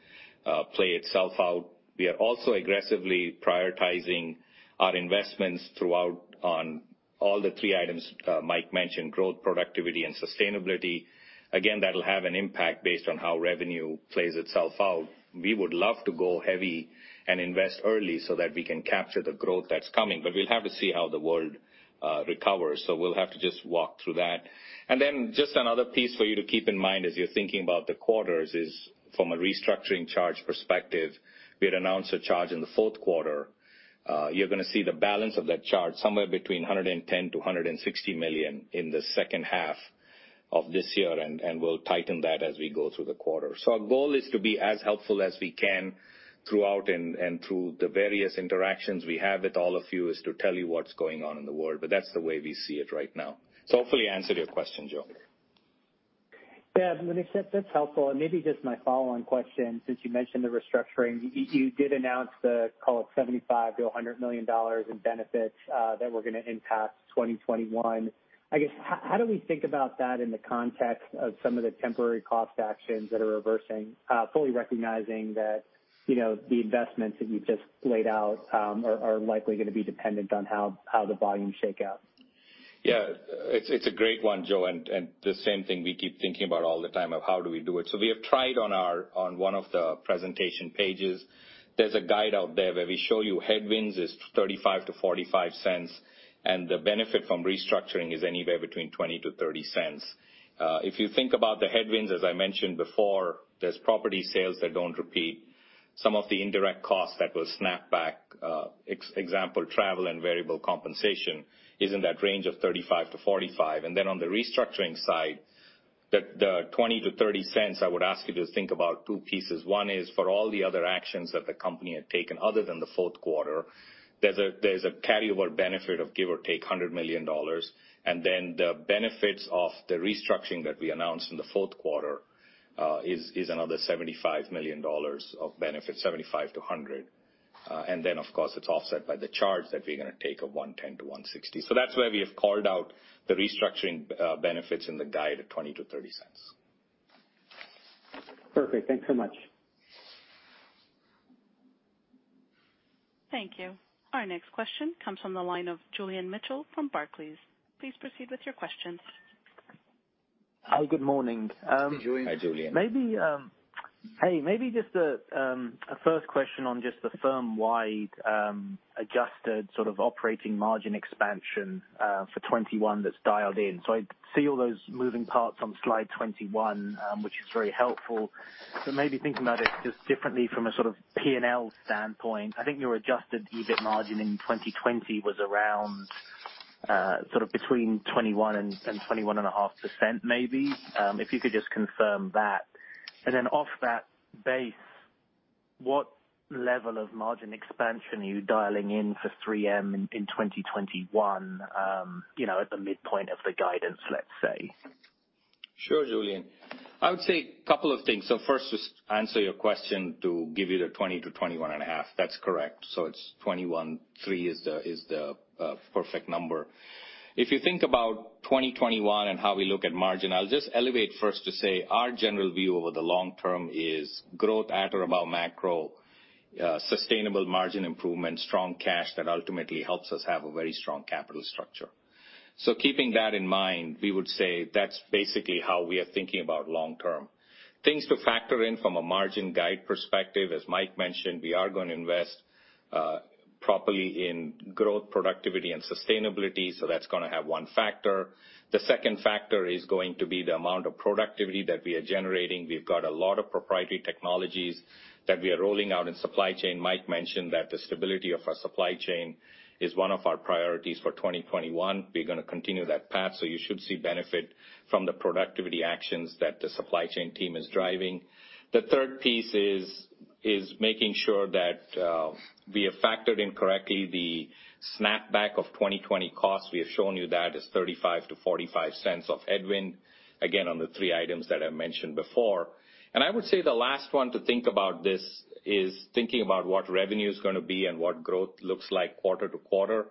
S4: play itself out. We are also aggressively prioritizing our investments throughout on all the three items Mike mentioned, growth, productivity, and sustainability. Again, that'll have an impact based on how revenue plays itself out. We would love to go heavy and invest early so that we can capture the growth that's coming, but we'll have to see how the world recovers. We'll have to just walk through that. Just another piece for you to keep in mind as you're thinking about the quarters is from a restructuring charge perspective, we had announced a charge in the fourth quarter. You're going to see the balance of that charge somewhere between $110 million-$160 million in the second half of this year, and we'll tighten that as we go through the quarter. Our goal is to be as helpful as we can throughout and through the various interactions we have with all of you, is to tell you what's going on in the world, but that's the way we see it right now. Hopefully answered your question, Joe.
S7: Yeah, Monish, that's helpful, and maybe just my follow-on question, since you mentioned the restructuring. You did announce the, call it, $75 million-$100 million in benefits that were going to impact 2021. I guess, how do we think about that in the context of some of the temporary cost actions that are reversing, fully recognizing that the investments that you just laid out are likely going to be dependent on how the volumes shake out?
S4: Yeah. It's a great one, Joe, and the same thing we keep thinking about all the time of how do we do it. We have tried on one of the presentation pages. There's a guide out there where we show you headwinds is $0.35-$0.45, and the benefit from restructuring is anywhere between $0.20-$0.30. If you think about the headwinds, as I mentioned before, there's property sales that don't repeat. Some of the indirect costs that will snap back, example, travel and variable compensation, is in that range of $0.35-$0.45. Then on the restructuring side, the $0.20-$0.30, I would ask you to think about two pieces. One is for all the other actions that the company had taken other than the fourth quarter, there's a carryover benefit of give or take $100 million. The benefits of the restructuring that we announced in the fourth quarter is another $75 million of benefits, $75 million-$100 million. Of course, it's offset by the charge that we're going to take of $110 million-$160 million. That's why we have called out the restructuring benefits in the guide of $0.20-$0.30.
S7: Perfect. Thanks so much.
S1: Thank you. Our next question comes from the line of Julian Mitchell from Barclays. Please proceed with your questions.
S8: Hi, good morning.
S4: Hey, Julian.
S3: Hi, Julian.
S8: Hey. Maybe just a first question on just the firm-wide adjusted sort of operating margin expansion for 2021 that's dialed in. I see all those moving parts on slide 21, which is very helpful, but maybe thinking about it just differently from a sort of P&L standpoint. I think your adjusted EBIT margin in 2020 was around sort of between 21% and 21.5%, maybe. If you could just confirm that. Off that base, what level of margin expansion are you dialing in for 3M in 2021, at the midpoint of the guidance, let's say?
S4: Sure, Julian. I would say a couple of things. First, just answer your question to give you the 20%-21.5%. That's correct. It's 21.3% is the perfect number. If you think about 2021 and how we look at margin, I'll just elevate first to say our general view over the long term is growth at or above macro, sustainable margin improvement, strong cash that ultimately helps us have a very strong capital structure. Keeping that in mind, we would say that's basically how we are thinking about long term. Things to factor in from a margin guide perspective, as Mike mentioned, we are going to invest properly in growth, productivity and sustainability. That's going to have one factor. The second factor is going to be the amount of productivity that we are generating. We've got a lot of proprietary technologies that we are rolling out in supply chain. Mike mentioned that the stability of our supply chain is one of our priorities for 2021. We're going to continue that path. You should see benefit from the productivity actions that the supply chain team is driving. The third piece is making sure that we have factored in correctly the snapback of 2020 costs. We have shown you that is $0.35-$0.45 of headwind, again, on the three items that I mentioned before. I would say the last one to think about this is thinking about what revenue is going to be and what growth looks like quarter to quarter.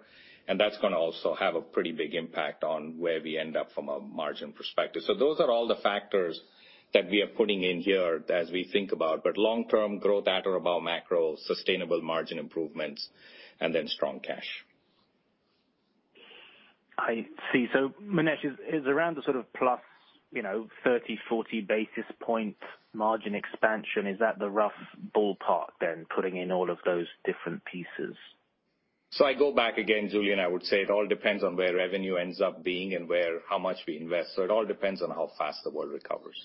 S4: That's going to also have a pretty big impact on where we end up from a margin perspective. Those are all the factors that we are putting in here as we think about, but long term growth at or above macro, sustainable margin improvements and then strong cash.
S8: I see. Monish, is around the sort of plus 30 basis points, 40 basis points margin expansion, is that the rough ballpark then putting in all of those different pieces?
S4: I go back again, Julian, I would say it all depends on where revenue ends up being and how much we invest. It all depends on how fast the world recovers.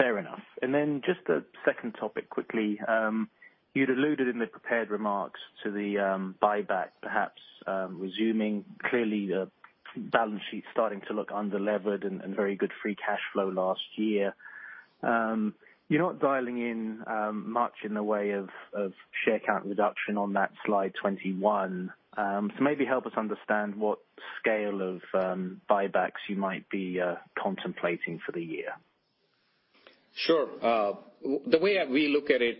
S8: Fair enough. Then just a second topic quickly. You'd alluded in the prepared remarks to the buyback perhaps resuming. Clearly the balance sheet's starting to look under-levered and very good free cash flow last year. You're not dialing in much in the way of share count reduction on that slide 21. Maybe help us understand what scale of buybacks you might be contemplating for the year.
S4: Sure. The way that we look at it,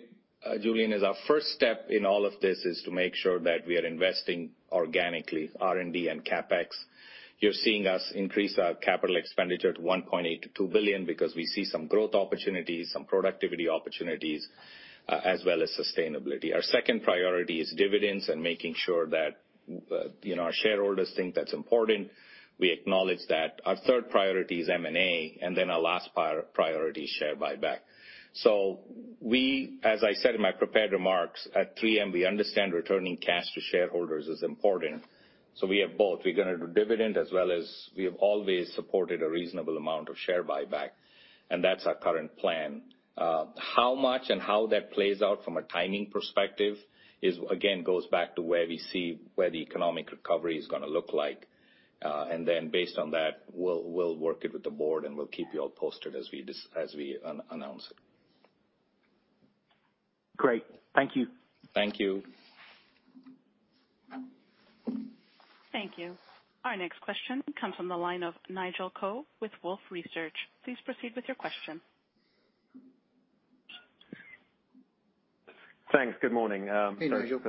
S4: Julian, is our first step in all of this is to make sure that we are investing organically, R&D and CapEx. You're seeing us increase our capital expenditure to $1.8 billion-$2 billion because we see some growth opportunities, some productivity opportunities, as well as sustainability. Our second priority is dividends and making sure that our shareholders think that's important. We acknowledge that. Our third priority is M&A, and then our last priority is share buyback. We, as I said in my prepared remarks, at 3M, we understand returning cash to shareholders is important. We have both. We're going to do dividend as well as we have always supported a reasonable amount of share buyback, and that's our current plan. How much and how that plays out from a timing perspective, again, goes back to where we see where the economic recovery is going to look like. Then based on that, we'll work it with the Board and we'll keep you all posted as we announce it.
S8: Great. Thank you.
S4: Thank you.
S1: Thank you. Our next question comes from the line of Nigel Coe with Wolfe Research. Please proceed with your question.
S9: Thanks. Good morning.
S4: Hey, Nigel.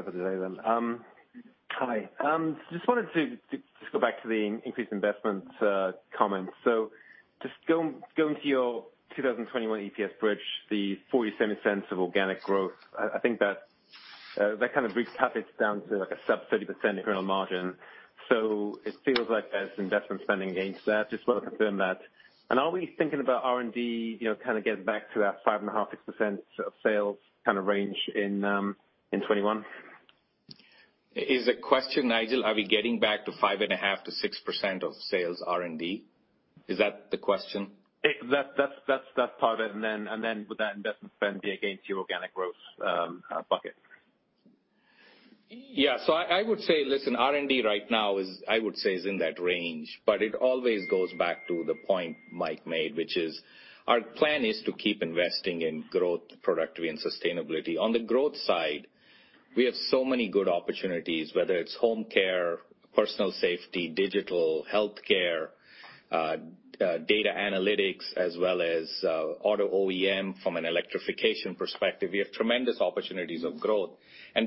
S9: Hi. Wanted to go back to the increased investment comments. Just going into your 2021 EPS bridge, the $0.47 of organic growth, I think that kind of brings CapEx down to like a sub 30% incremental margin. It feels like there's investment spending gains there. Just want to confirm that. Are we thinking about R&D, kind of getting back to that 5.5%, 6% of sales kind of range in 2021?
S4: Is the question, Nigel, are we getting back to 5.5%-6% of sales R&D? Is that the question?
S9: That's part of it, and then would that investment spend be against your organic growth bucket?
S4: Yeah. I would say, listen, R&D right now is, I would say, is in that range, but it always goes back to the point Mike made, which is our plan is to keep investing in growth, productivity, and sustainability. On the growth side, we have so many good opportunities, whether it's home care, personal safety, digital health care, data analytics, as well as auto OEM from an electrification perspective. We have tremendous opportunities of growth.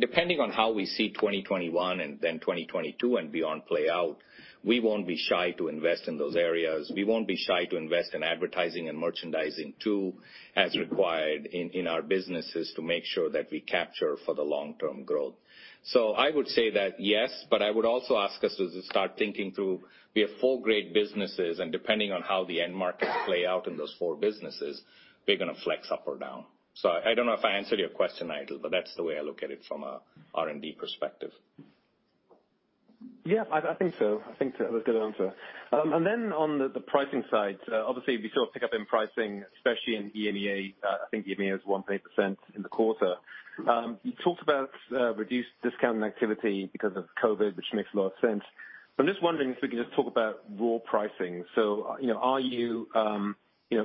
S4: Depending on how we see 2021 and then 2022 and beyond play out, we won't be shy to invest in those areas. We won't be shy to invest in advertising and merchandising too, as required in our businesses to make sure that we capture for the long-term growth. I would say that, yes, but I would also ask us to start thinking through, we have four great businesses, and depending on how the end markets play out in those four businesses, we're going to flex up or down. I don't know if I answered your question, Nigel, but that's the way I look at it from a R&D perspective.
S9: Yeah, I think so. I think that was a good answer. On the pricing side, obviously we saw a pickup in pricing, especially in EMEA. I think EMEA was 1.8% in the quarter. You talked about reduced discounting activity because of COVID, which makes a lot of sense. I'm just wondering if we can just talk about raw pricing. Are you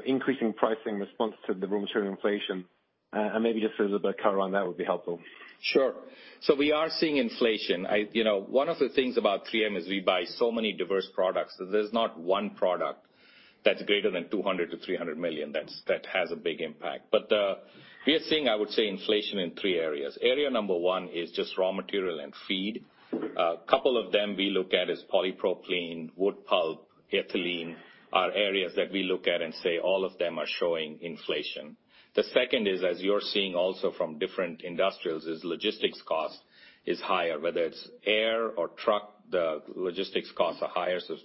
S9: increasing pricing in response to the raw material inflation? Maybe just a little bit of color on that would be helpful.
S4: Sure. We are seeing inflation. One of the things about 3M is we buy so many diverse products. There's not one product That's greater than $200 million-$300 million. That has a big impact. We are seeing, I would say, inflation in three areas. Area number one is just raw material and feed. A couple of them we look at is polypropylene, wood pulp, ethylene, are areas that we look at and say all of them are showing inflation. The second is, as you're seeing also from different industrials, is logistics cost is higher, whether it's air or truck, the logistics costs are higher, so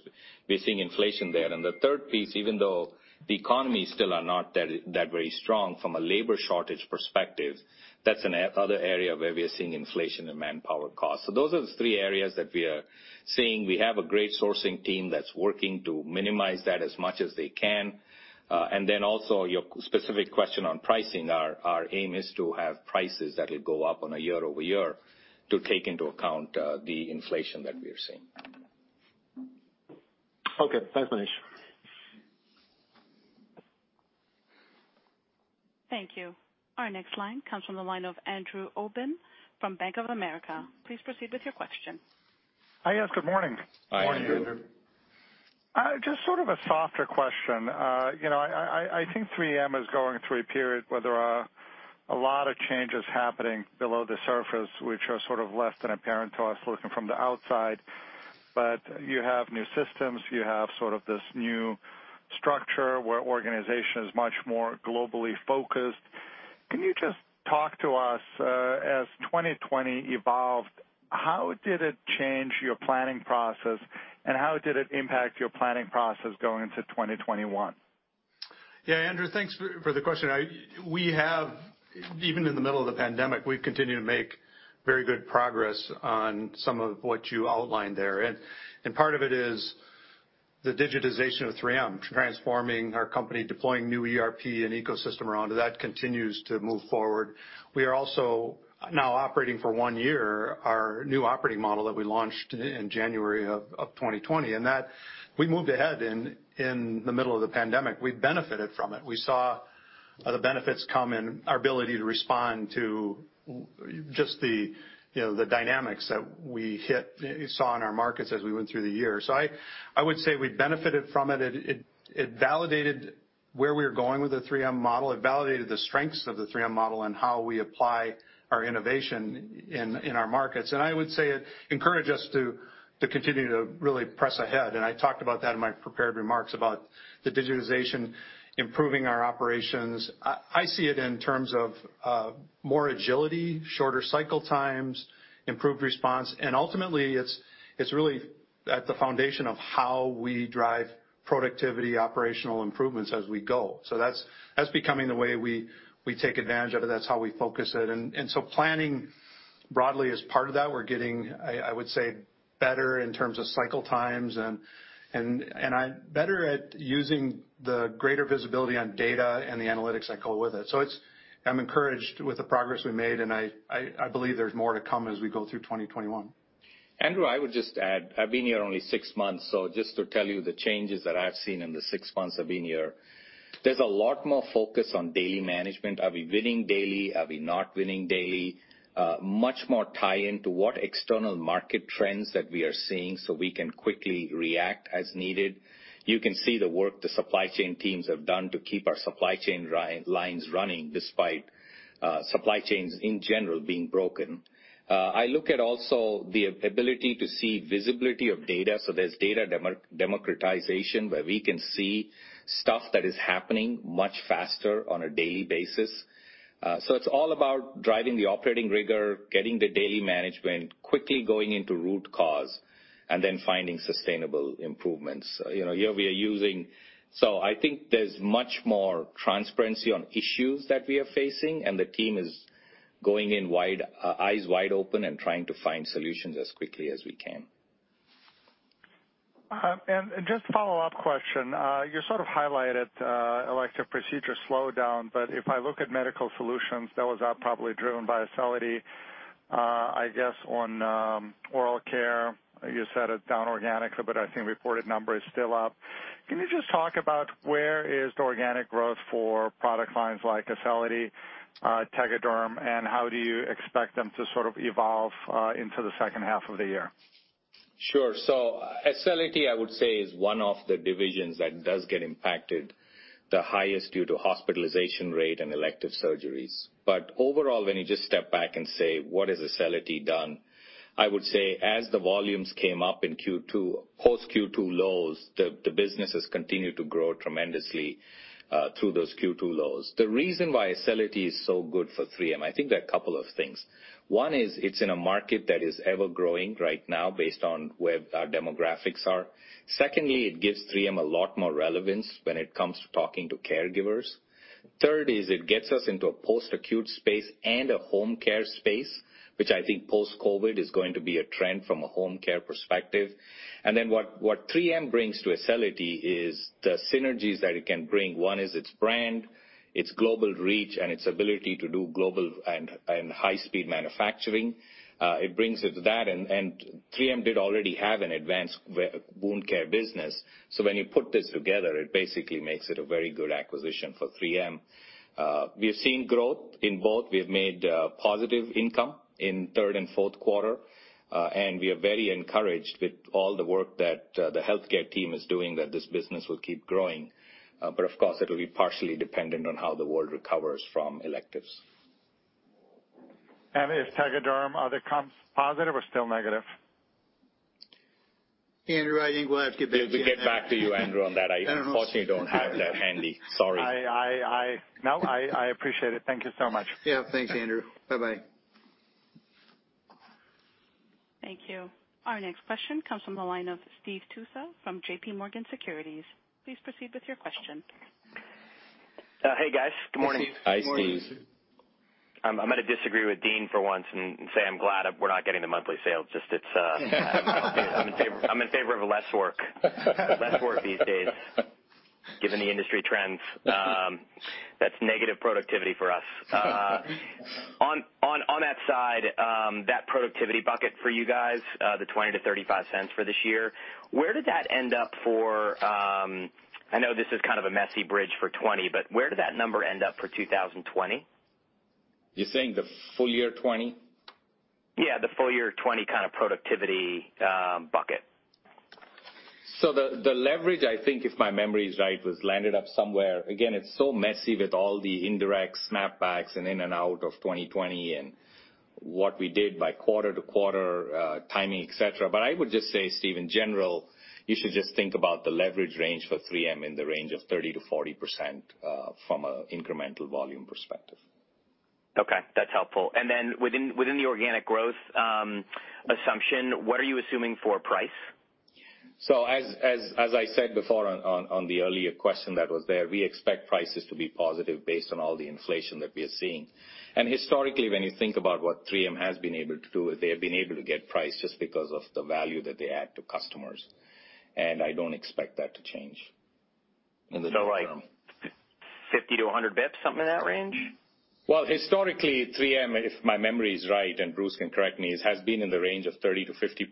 S4: we're seeing inflation there. The third piece, even though the economy still are not that very strong from a labor shortage perspective, that's another area where we are seeing inflation in manpower costs. Those are the three areas that we are seeing. We have a great sourcing team that's working to minimize that as much as they can. Also, your specific question on pricing, our aim is to have prices that will go up on a year-over-year to take into account the inflation that we are seeing.
S9: Okay. Thanks, Monish.
S1: Thank you. Our next line comes from the line of Andrew Obin from Bank of America. Please proceed with your question.
S10: Hi, yes, good morning.
S3: Hi, Andrew.
S10: Just sort of a softer question. I think 3M is going through a period where there are a lot of changes happening below the surface, which are sort of less than apparent to us looking from the outside. You have new systems, you have sort of this new structure where organization is much more globally focused. Can you just talk to us, as 2020 evolved, how did it change your planning process, and how did it impact your planning process going into 2021?
S3: Andrew, thanks for the question. Even in the middle of the pandemic, we've continued to make very good progress on some of what you outlined there. Part of it is the digitization of 3M, transforming our company, deploying new ERP and ecosystem around it. That continues to move forward. We are also now operating for one year our new operating model that we launched in January of 2020, and that we moved ahead in the middle of the pandemic. We benefited from it. We saw the benefits come in our ability to respond to just the dynamics that we saw in our markets as we went through the year. I would say we benefited from it. It validated where we were going with the 3M model. It validated the strengths of the 3M model and how we apply our innovation in our markets. I would say it encouraged us to continue to really press ahead, and I talked about that in my prepared remarks about the digitization improving our operations. I see it in terms of more agility, shorter cycle times, improved response, and ultimately, it's really at the foundation of how we drive productivity, operational improvements as we go. That's becoming the way we take advantage of it. That's how we focus it. Planning broadly is part of that. We're getting, I would say, better in terms of cycle times, and better at using the greater visibility on data and the analytics that go with it. I'm encouraged with the progress we made, and I believe there's more to come as we go through 2021.
S4: Andrew Obin, I would just add, I've been here only six months, so just to tell you the changes that I've seen in the six months I've been here, there's a lot more focus on daily management. Are we winning daily? Are we not winning daily? Much more tie-in to what external market trends that we are seeing so we can quickly react as needed. You can see the work the supply chain teams have done to keep our supply chain lines running despite supply chains in general being broken. I look at also the ability to see visibility of data, so there's data democratization, where we can see stuff that is happening much faster on a daily basis. It's all about driving the operating rigor, getting the daily management, quickly going into root cause, and then finding sustainable improvements. I think there's much more transparency on issues that we are facing, and the team is going in eyes wide open and trying to find solutions as quickly as we can.
S10: Just a follow-up question. You sort of highlighted elective procedure slowdown, but if I look at medical solutions, that was out probably driven by Acelity. I guess on oral care, you said it's down organically, but I think reported number is still up. Can you just talk about where is the organic growth for product lines like Acelity, Tegaderm, and how do you expect them to sort of evolve into the second half of the year?
S4: Sure. Acelity, I would say, is one of the divisions that does get impacted the highest due to hospitalization rate and elective surgeries. Overall, when you just step back and say, what has Acelity done, I would say as the volumes came up in Q2, post Q2 lows, the business has continued to grow tremendously through those Q2 lows. The reason why Acelity is so good for 3M, I think there are a couple of things. One is it's in a market that is ever-growing right now based on where our demographics are. Secondly, it gives 3M a lot more relevance when it comes to talking to caregivers. Third is it gets us into a post-acute space and a home care space, which I think post-COVID is going to be a trend from a home care perspective. What 3M brings to Acelity is the synergies that it can bring. One is its brand, its global reach, and its ability to do global and high-speed manufacturing. It brings it to that, and 3M did already have an advanced wound care business. When you put this together, it basically makes it a very good acquisition for 3M. We are seeing growth in both. We have made positive income in third and fourth quarter. We are very encouraged with all the work that the healthcare team is doing, that this business will keep growing. Of course, it will be partially dependent on how the world recovers from electives.
S10: Is Tegaderm, are the comps positive or still negative?
S3: Andrew, I think we'll have to get back to you on that.
S4: We'll get back to you, Andrew, on that. I don't know. Unfortunately, don't have that handy. Sorry.
S10: No, I appreciate it. Thank you so much.
S3: Yeah, thanks, Andrew. Bye-bye.
S1: Thank you. Our next question comes from the line of Steve Tusa from JPMorgan Securities. Please proceed with your question.
S11: Hey, guys. Good morning.
S4: Hi, Steve.
S11: I'm going to disagree with Deane for once and say I'm glad we're not getting the monthly sales. Just I'm in favor of less work these days, given the industry trends. That's negative productivity for us. On that side, that productivity bucket for you guys, the $0.20-$0.35 for this year, where did that end up for I know this is kind of a messy bridge for 2020, but where did that number end up for 2020?
S4: You're saying the full year 2020?
S11: Yeah, the full year 2020 kind of productivity bucket.
S4: The leverage, I think if my memory is right, landed up somewhere. Again, it's so messy with all the indirect snapbacks and in and out of 2020 and what we did by quarter-to-quarter timing, et cetera. I would just say, Steve, in general, you should just think about the leverage range for 3M in the range of 30%-40% from an incremental volume perspective.
S11: Okay, that's helpful. Within the organic growth assumption, what are you assuming for price?
S4: As I said before on the earlier question that was there, we expect prices to be positive based on all the inflation that we are seeing. Historically, when you think about what 3M has been able to do, they have been able to get price just because of the value that they add to customers. I don't expect that to change in the near term.
S11: Like 50-100 basis points, something in that range?
S4: Well, historically, 3M, if my memory is right, and Bruce can correct me, has been in the range of 30 basis points-50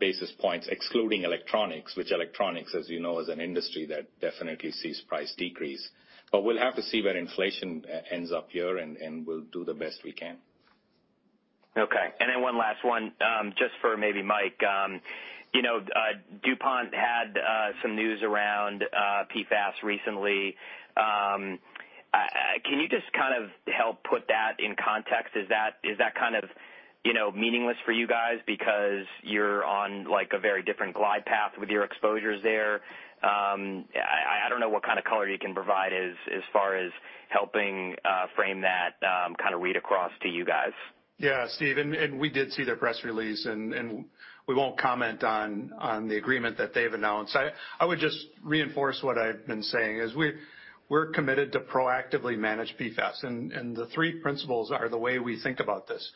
S4: basis points, excluding electronics, which electronics, as you know, is an industry that definitely sees price decrease. We'll have to see where inflation ends up here, and we'll do the best we can.
S11: Okay. One last one, just for maybe Mike. DuPont had some news around PFAS recently. Can you just kind of help put that in context? Is that kind of meaningless for you guys because you're on a very different glide path with your exposures there? I don't know what kind of color you can provide as far as helping frame that kind of read across to you guys.
S3: Yeah, Steve, we did see their press release, we won't comment on the agreement that they've announced. I would just reinforce what I've been saying, is we're committed to proactively manage PFAS. The three principles are the way we think about this.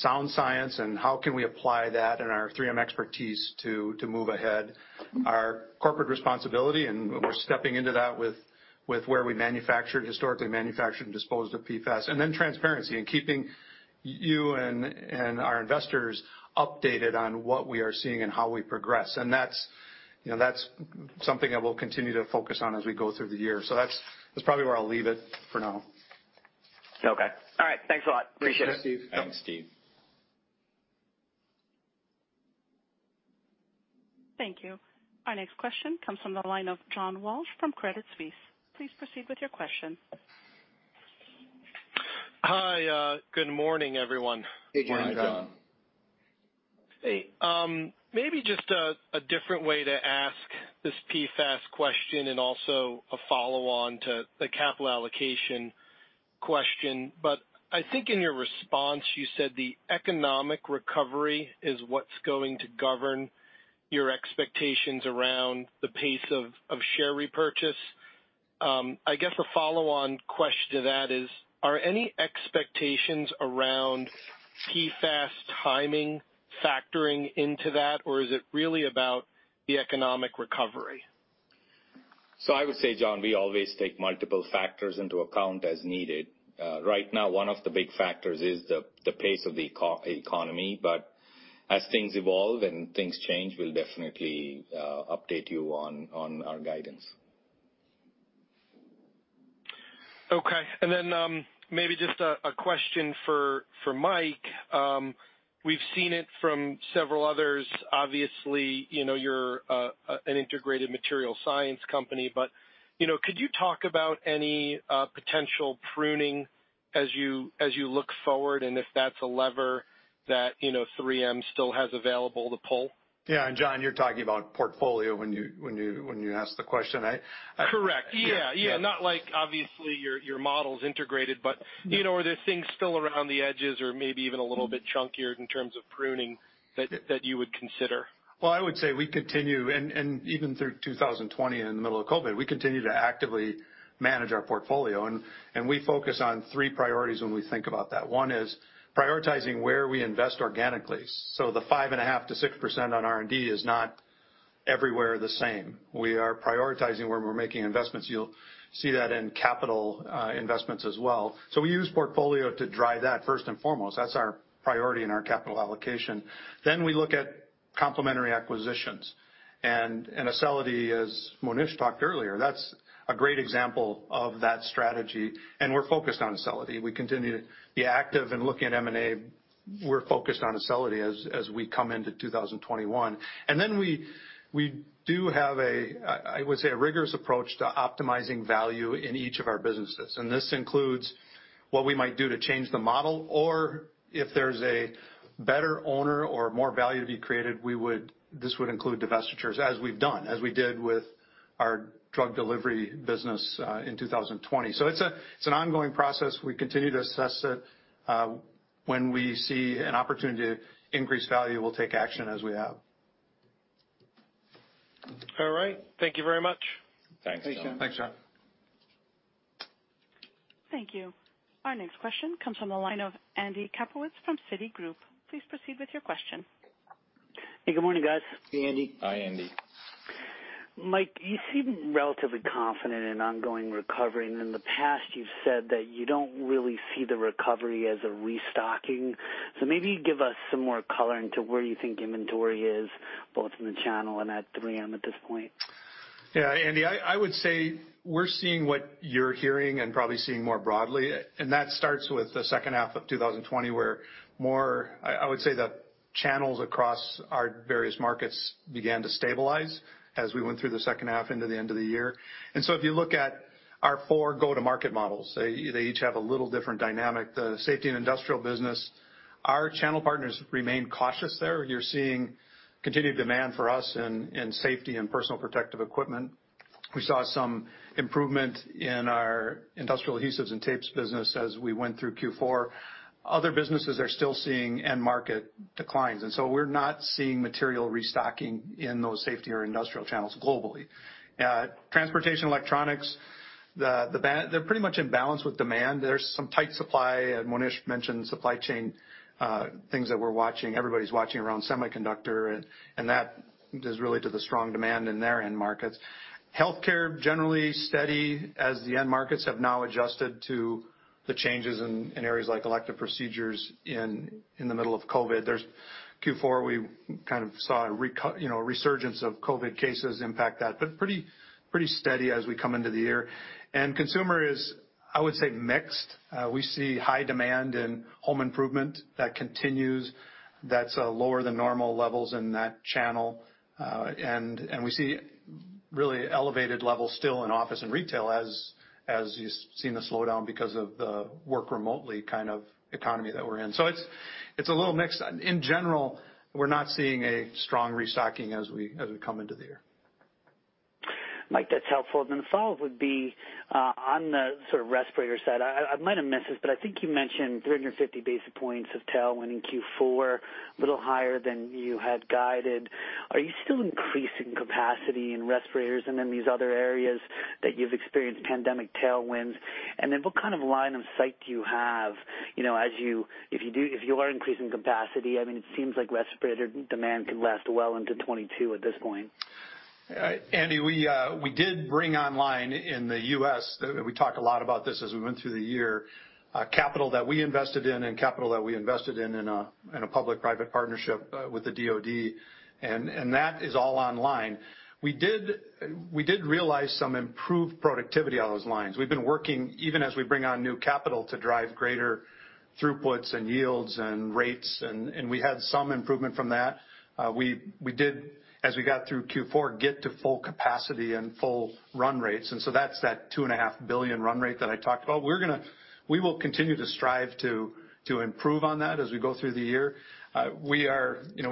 S3: Sound science, and how can we apply that and our 3M expertise to move ahead. Our corporate responsibility, and we're stepping into that with where we historically manufactured and disposed of PFAS. Transparency and keeping you and our investors updated on what we are seeing and how we progress. That's something that we'll continue to focus on as we go through the year. That's probably where I'll leave it for now.
S11: Okay. All right. Thanks a lot. Appreciate it.
S3: Thanks, Steve.
S4: Thanks, Steve.
S1: Thank you. Our next question comes from the line of John Walsh from Credit Suisse. Please proceed with your question.
S12: Hi. Good morning, everyone.
S4: Good morning, John.
S3: Morning, John.
S12: Hey. Maybe just a different way to ask this PFAS question and also a follow-on to the capital allocation question. I think in your response, you said the economic recovery is what's going to govern your expectations around the pace of share repurchase. I guess a follow-on question to that is, are any expectations around PFAS timing factoring into that, or is it really about the economic recovery?
S4: I would say, John, we always take multiple factors into account as needed. Right now, one of the big factors is the pace of the economy. As things evolve and things change, we'll definitely update you on our guidance.
S12: Okay. Then maybe just a question for Mike. We've seen it from several others. Obviously, you're an integrated material science company, could you talk about any potential pruning as you look forward and if that's a lever that 3M still has available to pull?
S3: Yeah. John, you're talking about portfolio when you ask the question, right?
S12: Correct. Yeah. Not like obviously your model's integrated, but are there things still around the edges or maybe even a little bit chunkier in terms of pruning that you would consider?
S3: Well, I would say we continue, and even through 2020 in the middle of COVID, we continue to actively manage our portfolio, and we focus on three priorities when we think about that. One is prioritizing where we invest organically. The 5.5%-6% on R&D is not everywhere the same. We are prioritizing where we're making investments. You'll see that in capital investments as well. We use portfolio to drive that first and foremost. That's our priority in our capital allocation. We look at complementary acquisitions. Acelity, as Monish talked earlier, that's a great example of that strategy. We're focused on Acelity. We continue to be active in looking at M&A. We're focused on Acelity as we come into 2021. We do have, I would say, a rigorous approach to optimizing value in each of our businesses. This includes what we might do to change the model, or if there's a better owner or more value to be created, this would include divestitures as we've done, as we did with our drug delivery business in 2020. It's an ongoing process. We continue to assess it. When we see an opportunity to increase value, we'll take action as we have.
S12: All right. Thank you very much.
S3: Thanks, John.
S4: Thanks, John.
S1: Thank you. Our next question comes from the line of Andy Kaplowitz from Citigroup. Please proceed with your question.
S13: Hey, good morning, guys.
S3: Hey, Andy.
S4: Hi, Andy.
S13: Mike, you seem relatively confident in ongoing recovery, and in the past you've said that you don't really see the recovery as a restocking. Maybe give us some more color into where you think inventory is, both in the channel and at 3M at this point.
S3: Yeah, Andy, I would say we're seeing what you're hearing and probably seeing more broadly. That starts with the second half of 2020, where I would say the channels across our various markets began to stabilize as we went through the second half into the end of the year. If you look at four go-to-market model, which have a different level of dynamic. The Safety & Industrial business, our channel partners remain cautious there. You're seeing continued demand for us in safety and personal protective equipment. We saw some improvement in our industrial adhesives and tapes business as we went through Q4. Other businesses are still seeing end market declines, so we're not seeing material restocking in those safety or industrial channels globally. Transportation and electronics, they're pretty much in balance with demand. There's some tight supply, and Monish mentioned supply chain things that we're watching, everybody's watching around semiconductor, and that is really to the strong demand in their end markets. Healthcare, generally steady as the end markets have now adjusted to the changes in areas like elective procedures in the middle of COVID-19. Q4, we kind of saw a resurgence of COVID-19 cases impact that, pretty steady as we come into the year. Consumer is, I would say, mixed. We see high demand in home improvement that continues that's lower than normal levels in that channel. We see really elevated levels still in office and retail as you've seen the slowdown because of the work remotely kind of economy that we're in. It's a little mixed. In general, we're not seeing a strong restocking as we come into the year.
S13: Mike, that's helpful. The follow-up would be on the sort of respirator side. I might have missed this, but I think you mentioned 350 basis points of tailwind in Q4, a little higher than you had guided. Are you still increasing capacity in respirators and in these other areas that you've experienced pandemic tailwinds? What kind of line of sight do you have, if you are increasing capacity? It seems like respirator demand could last well into 2022 at this point.
S3: Andy, we did bring online in the U.S., we talked a lot about this as we went through the year, capital that we invested in and capital that we invested in a public-private partnership with the DoD, and that is all online. We did realize some improved productivity on those lines. We've been working, even as we bring on new capital to drive greater throughputs and yields and rates, and we had some improvement from that. We did, as we got through Q4, get to full capacity and full run rates, and so that's that two and a half billion run rate that I talked about. We will continue to strive to improve on that as we go through the year. We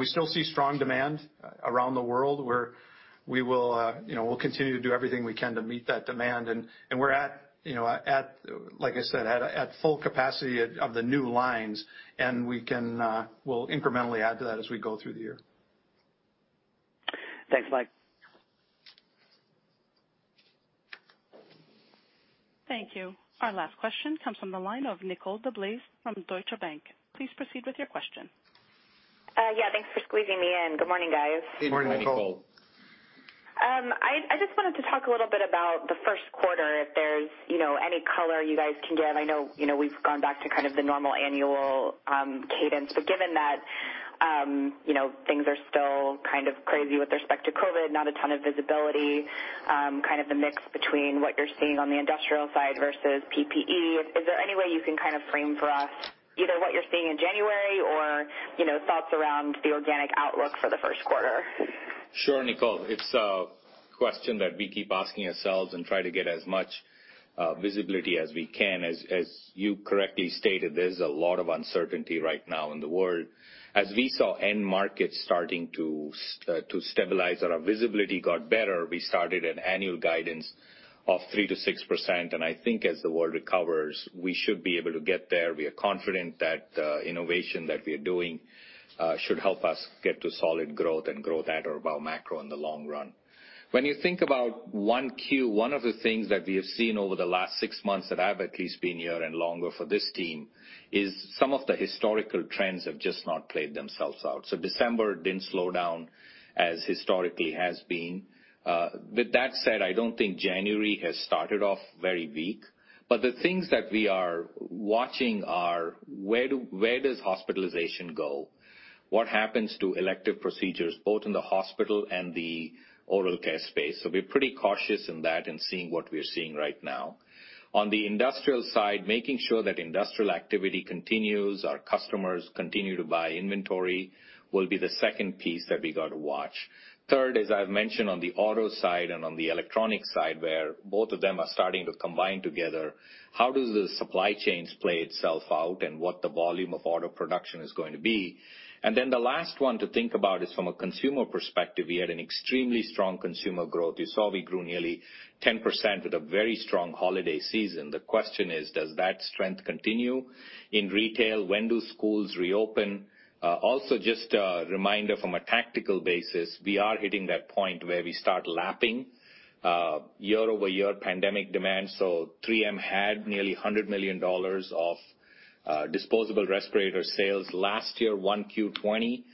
S3: still see strong demand around the world where we'll continue to do everything we can to meet that demand. We're at, like I said, at full capacity of the new lines, and we'll incrementally add to that as we go through the year.
S13: Thanks, Mike.
S1: Thank you. Our last question comes from the line of Nicole DeBlase from Deutsche Bank. Please proceed with your question.
S14: Yeah, thanks for squeezing me in. Good morning, guys.
S3: Good morning, Nicole.
S4: Morning.
S14: I just wanted to talk a little bit about the first quarter, if there's any color you guys can give. I know we've gone back to kind of the normal annual cadence, but given that things are still kind of crazy with respect to COVID, not a ton of visibility, kind of the mix between what you're seeing on the industrial side versus PPE, is there any way you can kind of frame for us either what you're seeing in January or thoughts around the organic outlook for the first quarter?
S4: Sure, Nicole. It's a question that we keep asking ourselves and try to get as much visibility as we can. As you correctly stated, there's a lot of uncertainty right now in the world. As we saw end markets starting to stabilize or our visibility got better, we started an annual guidance of 3%-6%, and I think as the world recovers, we should be able to get there. We are confident that the innovation that we are doing should help us get to solid growth and growth at or above macro in the long run. When you think about 1Q, one of the things that we have seen over the last 6 months that I've at least been here and longer for this team, is some of the historical trends have just not played themselves out. December didn't slow down as historically has been. I don't think January has started off very weak. The things that we are watching are where does hospitalization go? What happens to elective procedures, both in the hospital and the oral care space? We're pretty cautious in that, in seeing what we're seeing right now. On the industrial side, making sure that industrial activity continues, our customers continue to buy inventory, will be the second piece that we got to watch. Third, as I've mentioned on the auto side and on the electronic side, where both of them are starting to combine together, how does the supply chains play itself out and what the volume of auto production is going to be. The last one to think about is from a consumer perspective. We had an extremely strong consumer growth. You saw we grew nearly 10% with a very strong holiday season. The question is, does that strength continue in retail? When do schools reopen? Just a reminder from a tactical basis, we are hitting that point where we start lapping year-over-year pandemic demand. 3M had nearly $100 million of disposable respirator sales last year, 1Q 2020,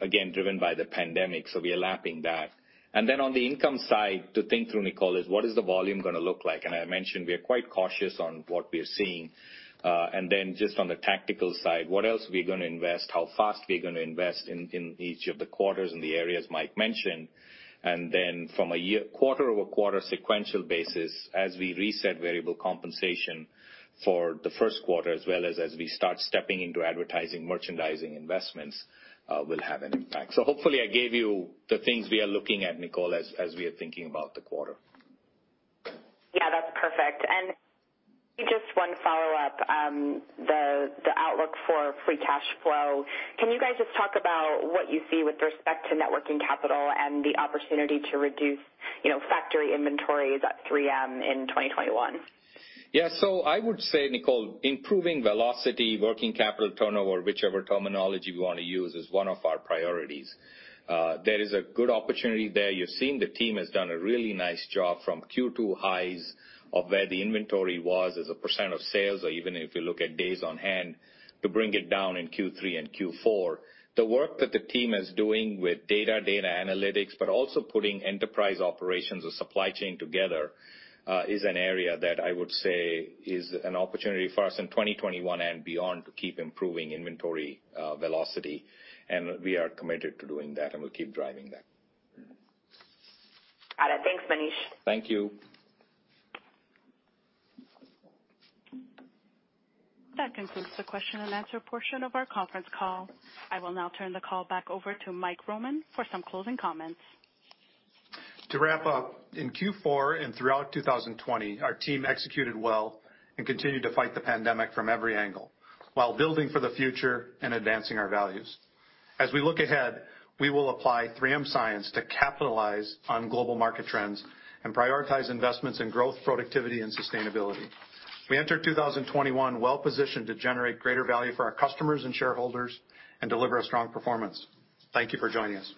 S4: again, driven by the pandemic. We are lapping that. Then on the income side to think through, Nicole, is what is the volume going to look like? I mentioned, we are quite cautious on what we are seeing. Then just on the tactical side, what else we're going to invest, how fast we're going to invest in each of the quarters in the areas Mike mentioned. Then from a quarter-over-quarter sequential basis, as we reset variable compensation for the first quarter, as well as we start stepping into advertising merchandising investments, will have an impact. Hopefully I gave you the things we are looking at, Nicole, as we are thinking about the quarter.
S14: Yeah, that's perfect. Just one follow-up, the outlook for free cash flow. Can you guys just talk about what you see with respect to net fworking capital and the opportunity to reduce factory inventories at 3M in 2021?
S4: I would say, Nicole, improving velocity, working capital turnover, whichever terminology we want to use, is one of our priorities. There is a good opportunity there. You've seen the team has done a really nice job from Q2 highs of where the inventory was as a % of sales, or even if you look at days on hand, to bring it down in Q3 and Q4. The work that the team is doing with data analytics, but also putting enterprise operations or supply chain together, is an area that I would say is an opportunity for us in 2021 and beyond to keep improving inventory velocity, and we are committed to doing that, and we'll keep driving that.
S14: Got it. Thanks, Monish.
S4: Thank you.
S1: That concludes the question-and-answer portion of our conference call. I will now turn the call back over to Mike Roman for some closing comments.
S3: To wrap up, in Q4 and throughout 2020, our team executed well and continued to fight the pandemic from every angle while building for the future and advancing our values. As we look ahead, we will apply 3M science to capitalize on global market trends and prioritize investments in growth, productivity, and sustainability. We enter 2021 well-positioned to generate greater value for our customers and shareholders and deliver a strong performance. Thank you for joining us.